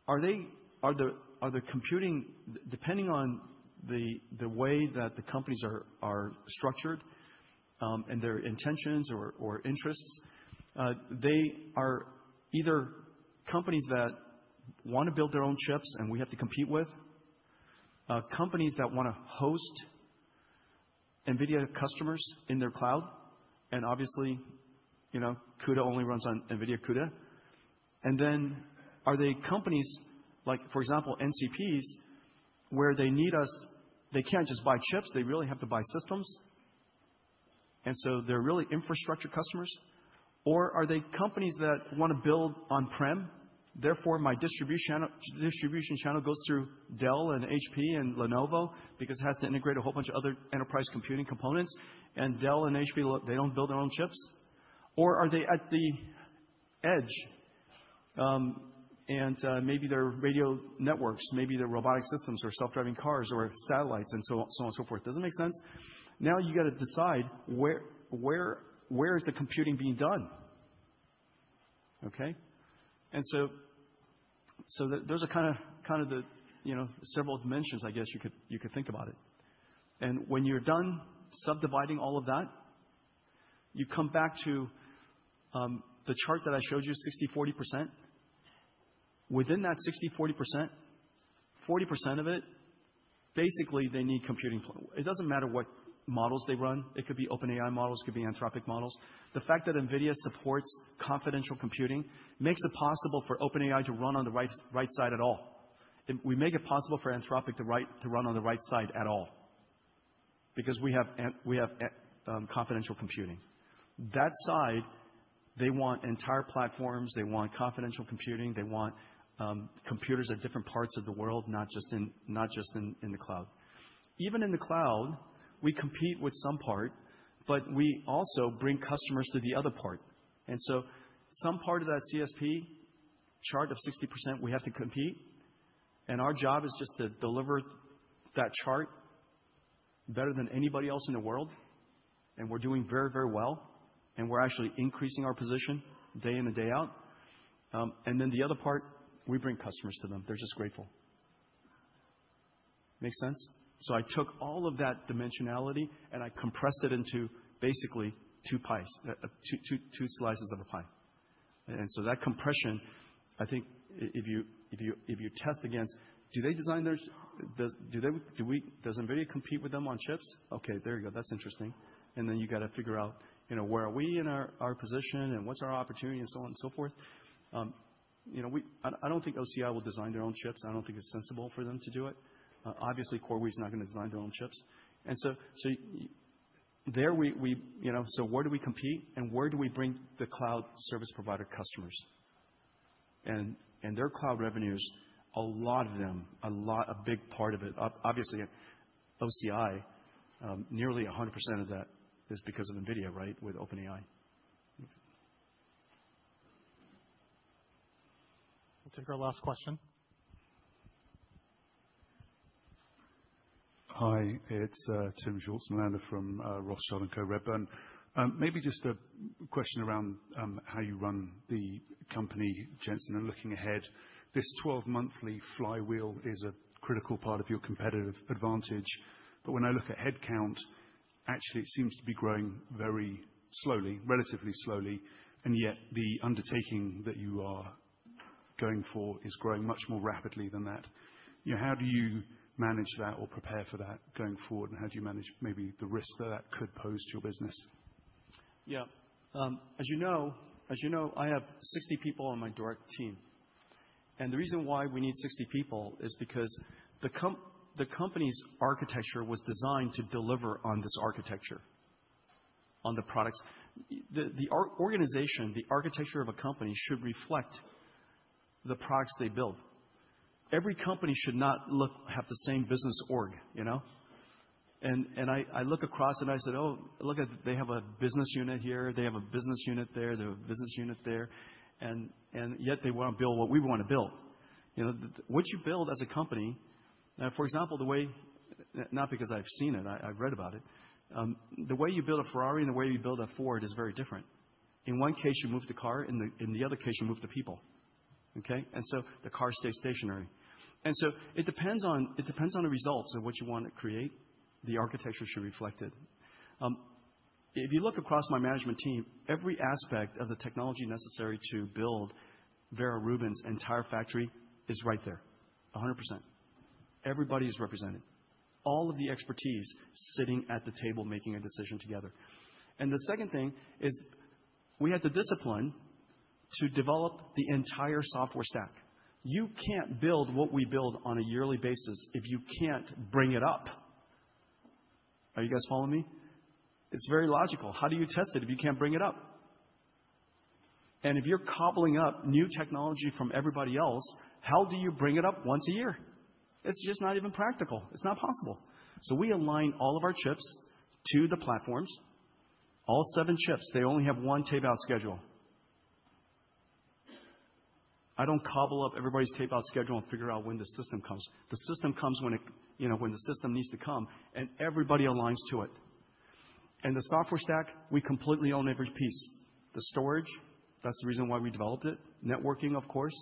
S3: depending on the way that the companies are structured and their intentions or interests, they are either companies that wanna build their own chips, and we have to compete with. Companies that wanna host NVIDIA customers in their cloud, and obviously, you know, CUDA only runs on NVIDIA CUDA. Are they companies, like, for example, CSPs, where they need us, they can't just buy chips, they really have to buy systems. They're really infrastructure customers. Are they companies that wanna build on-prem, therefore my distribution channel goes through Dell and HP and Lenovo because it has to integrate a whole bunch of other enterprise computing components. Dell and HP, they don't build their own chips. Are they at the edge, maybe they're radio networks, maybe they're robotic systems or self-driving cars or satellites and so on, so forth. Does it make sense? Now you gotta decide where is the computing being done? Okay? Those are kinda the, you know, several dimensions, I guess, you could think about it. When you're done subdividing all of that, you come back to the chart that I showed you, 60%-40%. Within that 60%-40%, 40% of it, basically, they need computing power. It doesn't matter what models they run. It could be OpenAI models, it could be Anthropic models. The fact that NVIDIA supports confidential computing makes it possible for OpenAI to run on the right side at all. We make it possible for Anthropic to run on the right side at all. Because we have confidential computing. That side, they want entire platforms. They want confidential computing. They want computers at different parts of the world, not just in the cloud. Even in the cloud, we compete with some part, but we also bring customers to the other part. Some part of that CSP chart of 60%, we have to compete. Our job is just to deliver that chart better than anybody else in the world. We're doing very, very well. We're actually increasing our position day in and day out. Then the other part, we bring customers to them. They're just grateful. Make sense? I took all of that dimensionality, and I compressed it into basically two pies, two slices of a pie. That compression, I think if you test against, do they design their. Does NVIDIA compete with them on chips? Okay, there you go. That's interesting. Then you gotta figure out, you know, where are we in our position, and what's our opportunity, and so on and so forth. I don't think OCI will design their own chips. I don't think it's sensible for them to do it. Obviously, CoreWeave's not gonna design their own chips. There we, you know, where do we compete and where do we bring the cloud service provider customers? Their cloud revenues, a lot of them, a big part of it, obviously OCI, nearly 100% of that is because of NVIDIA, right, with OpenAI.
S1: We'll take our last question.
S15: Hi, it's Timm Schulze-Melander from Rothschild & Co Redburn. Maybe just a question around how you run the company, Jensen, and looking ahead. This 12 monthly flywheel is a critical part of your competitive advantage. When I look at headcount, actually it seems to be growing very slowly, relatively slowly, and yet the undertaking that you are going forward is growing much more rapidly than that. You know, how do you manage that or prepare for that going forward, and how do you manage maybe the risks that could pose to your business?
S3: As you know, I have 60 people on my direct team. The reason why we need 60 people is because the company's architecture was designed to deliver on this architecture, on the products. The organization, the architecture of a company should reflect the products they build. Every company should not have the same business org, you know. I look across and I said, "Oh, look at they have a business unit here, they have a business unit there, they have a business unit there, and yet they wanna build what we wanna build." You know, what you build as a company, for example, the way not because I've seen it, I've read about it. The way you build a Ferrari and the way you build a Ford is very different. In one case, you move the car, in the other case, you move the people, okay? The car stays stationary. It depends on the results of what you wanna create. The architecture should reflect it. If you look across my management team, every aspect of the technology necessary to build Vera Rubin's entire factory is right there, 100%. Everybody is represented. All of the expertise sitting at the table making a decision together. The second thing is we have the discipline to develop the entire software stack. You can't build what we build on a yearly basis if you can't bring it up. Are you guys following me? It's very logical. How do you test it if you can't bring it up? If you're cobbling up new technology from everybody else, how do you bring it up once a year? It's just not even practical. It's not possible. We align all of our chips to the platforms. All seven chips, they only have one tape-out schedule. I don't cobble up everybody's tape-out schedule and figure out when the system comes. The system comes when it, you know, when the system needs to come, and everybody aligns to it. The software stack, we completely own every piece. The storage, that's the reason why we developed it. Networking, of course.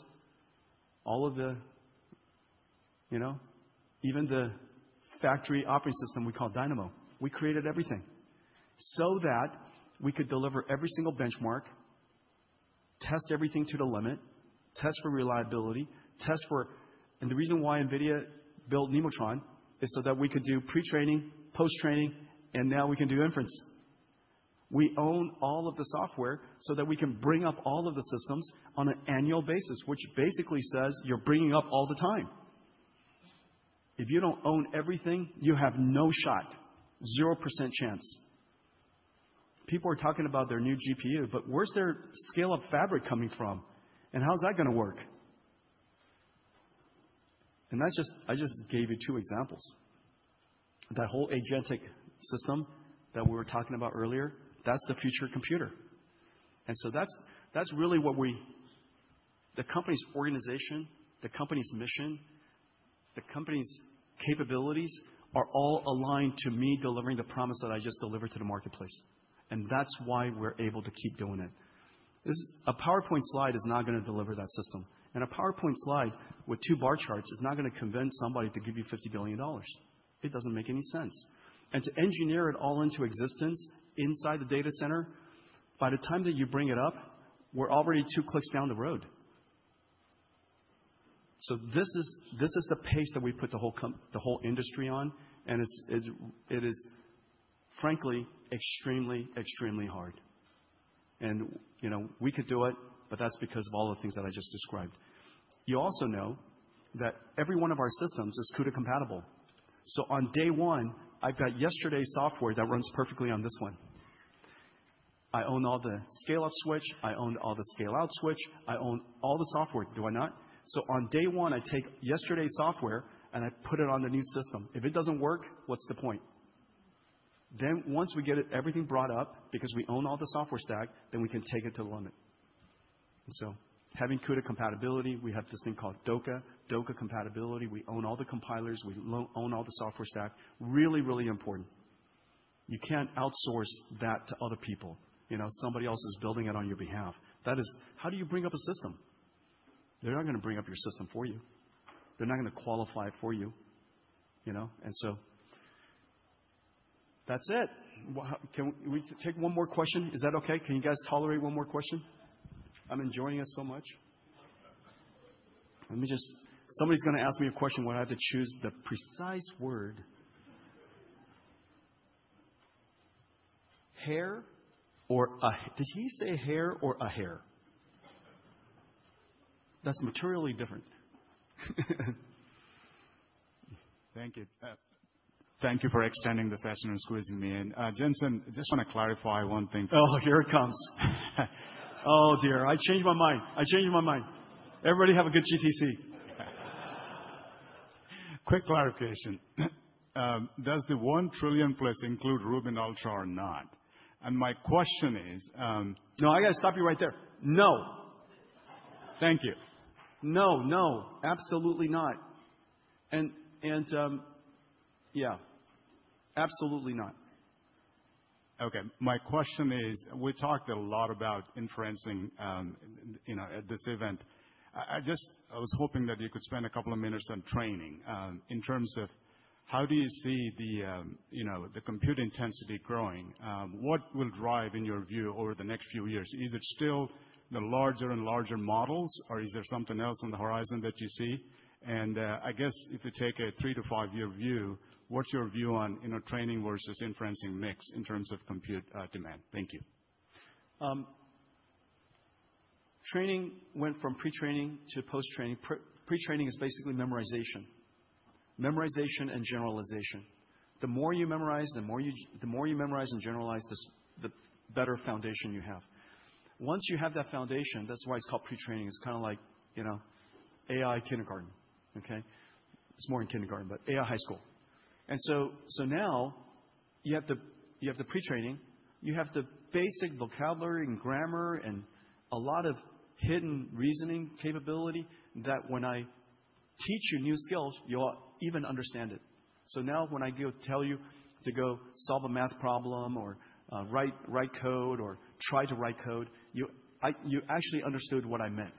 S3: All of the, you know. Even the factory operating system we call Dynamo. We created everything so that we could deliver every single benchmark, test everything to the limit, test for reliability, test for. The reason why NVIDIA built Nemotron is so that we could do pre-training, post-training, and now we can do inference. We own all of the software so that we can bring up all of the systems on an annual basis, which basically says you're bringing up all the time. If you don't own everything, you have no shot. 0% chance. People are talking about their new GPU, but where's their scale-up fabric coming from? And how is that gonna work? That's just I just gave you two examples. That whole agentic system that we were talking about earlier, that's the future computer. That's really what we The company's organization, the company's mission, the company's capabilities are all aligned to me delivering the promise that I just delivered to the marketplace. That's why we're able to keep doing it. This is. A PowerPoint slide is not gonna deliver that system. A PowerPoint slide with two bar charts is not gonna convince somebody to give you $50 billion. It doesn't make any sense. To engineer it all into existence inside the data center, by the time that you bring it up, we're already two clicks down the road. This is the pace that we put the whole industry on, and it is frankly extremely hard. You know, we could do it, but that's because of all the things that I just described. You also know that every one of our systems is CUDA compatible. On day one, I've got yesterday's software that runs perfectly on this one. I own all the scale-up switch, I own all the scale-out switch, I own all the software. Do I not? On day one, I take yesterday's software and I put it on the new system. If it doesn't work, what's the point? Once we get everything brought up, because we own all the software stack, then we can take it to the limit. Having CUDA compatibility, we have this thing called DOCA. DOCA compatibility, we own all the compilers, we own all the software stack. Really, really important. You can't outsource that to other people. You know, somebody else is building it on your behalf. That is. How do you bring up a system? They're not gonna bring up your system for you. They're not gonna qualify it for you know? That's it. We'll have. Can we take one more question? Is that okay? Can you guys tolerate one more question? I'm enjoying this so much. Somebody's gonna ask me a question where I have to choose the precise word. Hair or a hair. Did he say hair or a hair? That's materially different.
S14: Thank you. Thank you for extending the session and squeezing me in. Jensen, I just wanna clarify one thing.
S3: Oh, here it comes. Oh, dear. I change my mind. Everybody have a good GTC.
S14: Quick clarification. Does the $1 trillion+ include Rubin Ultra or not? My question is,
S3: No, I gotta stop you right there. No. Thank you. No, no. Absolutely not. And yeah. Absolutely not.
S14: Okay. My question is, we talked a lot about inferencing, you know, at this event. I just was hoping that you could spend a couple of minutes on training, in terms of how do you see the, you know, the compute intensity growing? What will drive, in your view, over the next few years? Is it still the larger and larger models, or is there something else on the horizon that you see? I guess if you take a three to five-year view, what's your view on, you know, training versus inferencing mix in terms of compute demand? Thank you.
S3: Training went from pre-training to post-training. Pre-training is basically memorization. Memorization and generalization. The more you memorize and generalize this, the better foundation you have. Once you have that foundation, that's why it's called pre-training. It's kinda like, you know, AI kindergarten, okay? It's more than kindergarten, but AI high school. Now you have the pre-training. You have the basic vocabulary and grammar and a lot of hidden reasoning capability that when I teach you new skills, you'll even understand it. Now when I go tell you to go solve a math problem or write code or try to write code, you actually understood what I meant.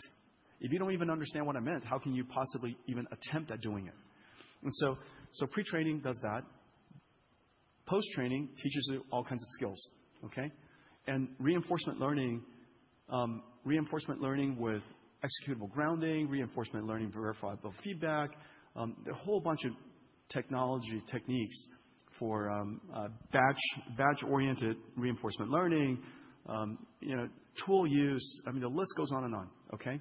S3: If you don't even understand what I meant, how can you possibly even attempt at doing it? Pre-training does that. Post-training teaches you all kinds of skills, okay? Reinforcement learning with executable grounding, reinforcement learning verifiable feedback, there are a whole bunch of technology techniques for batch-oriented reinforcement learning, you know, tool use. I mean, the list goes on and on, okay?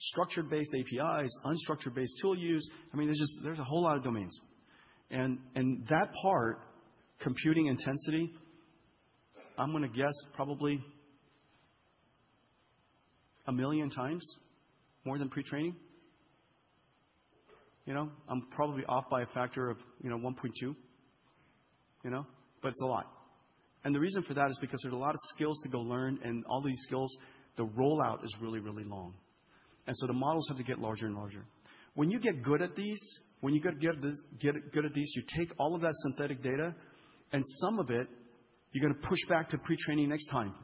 S3: Structure-based APIs, unstructured-based tool use. I mean, there's just a whole lot of domains. That part, computing intensity, I'm gonna guess probably one million times more than pre-training. You know, I'm probably off by a factor of, you know, 1.2, you know? But it's a lot. The reason for that is because there's a lot of skills to go learn, and all these skills, the rollout is really long. The models have to get larger and larger. When you get good at these, you take all of that synthetic data, and some of it you're gonna push back to pre-training next time.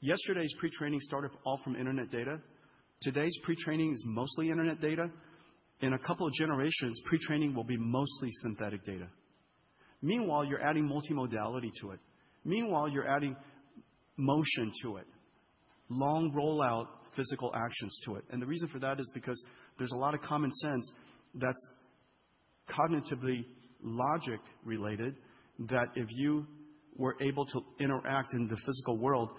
S3: Yesterday's pre-training started all from internet data. Today's pre-training is mostly internet data. In a couple of generations, pre-training will be mostly synthetic data. Meanwhile, you're adding multimodality to it. Meanwhile, you're adding motion to it. Along with rollout physical actions to it. The reason for that is because there's a lot of common sense that's cognitively logic-related that if you were able to interact in the physical world,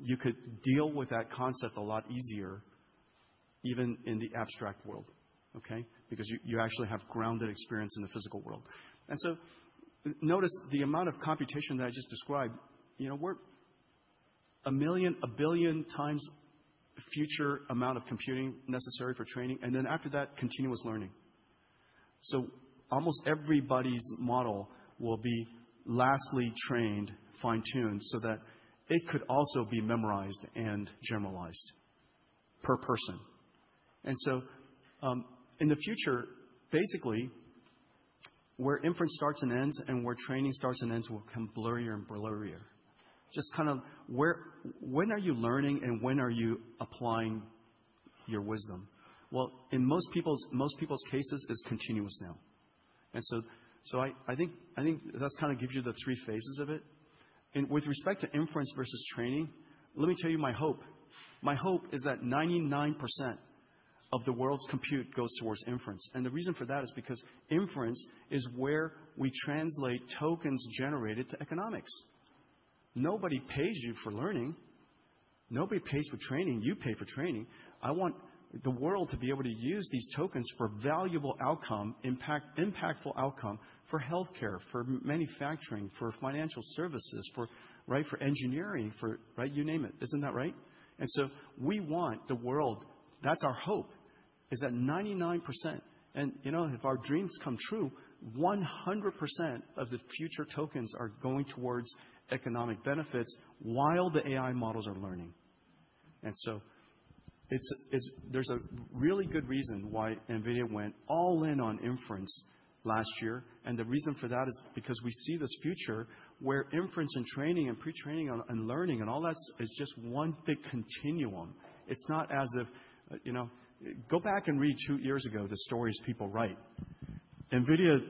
S3: you could deal with that concept a lot easier, even in the abstract world, okay? Because you actually have grounded experience in the physical world. Notice the amount of computation that I just described, you know, we're one million, one billion times future amount of computing necessary for training, and then after that, continuous learning. Almost everybody's model will be lastly trained, fine-tuned, so that it could also be memorized and generalized per person. In the future, basically, where inference starts and ends and where training starts and ends will become blurrier and blurrier. Just kind of, when are you learning, and when are you applying your wisdom? Well, in most people's cases, it's continuous now. I think that's kinda gives you the three phases of it. With respect to inference versus training, let me tell you my hope. My hope is that 99% of the world's compute goes towards inference. The reason for that is because inference is where we translate tokens generated to economics. Nobody pays you for learning. Nobody pays for training. You pay for training. I want the world to be able to use these tokens for valuable outcome, impactful outcome for healthcare, for manufacturing, for financial services, right? For engineering, right? You name it. Isn't that right? We want the world. That's our hope, is that 99%. You know, if our dreams come true, 100% of the future tokens are going towards economic benefits while the AI models are learning. It's. There's a really good reason why NVIDIA went all in on inference last year. The reason for that is because we see this future where inference and training and pre-training and learning and all that is just one big continuum. It's not as if. You know, go back and read two years ago the stories people write. NVIDIA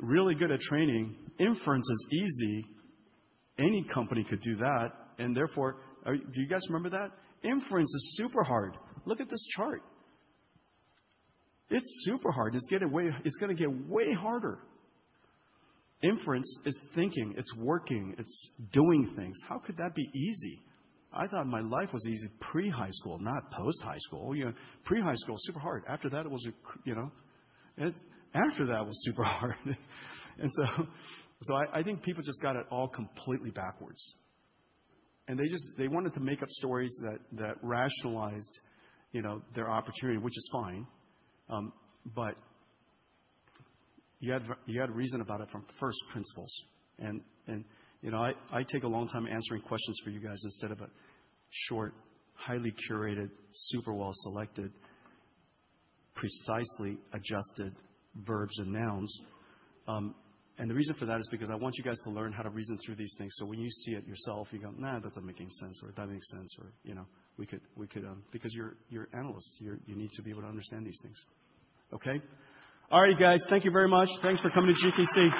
S3: really good at training. Inference is easy. Any company could do that, and therefore. Do you guys remember that? Inference is super hard. Look at this chart. It's super hard, and it's getting way harder. Inference is thinking, it's working, it's doing things. How could that be easy? I thought my life was easy pre-high school, not post-high school. You know? Pre-high school, super hard. After that, it was. You know? After that was super hard. I think people just got it all completely backwards. They just wanted to make up stories that rationalized, you know, their opportunity, which is fine. But you had to reason about it from first principles. You know, I take a long time answering questions for you guys instead of a short, highly curated, super well-selected, precisely adjusted verbs and nouns. The reason for that is because I want you guys to learn how to reason through these things, so when you see it yourself, you go, "Nah, that's not making sense," or, "That makes sense," or, you know. Because you're analysts. You need to be able to understand these things. Okay. All right, guys. Thank you very much. Thanks for coming to GTC.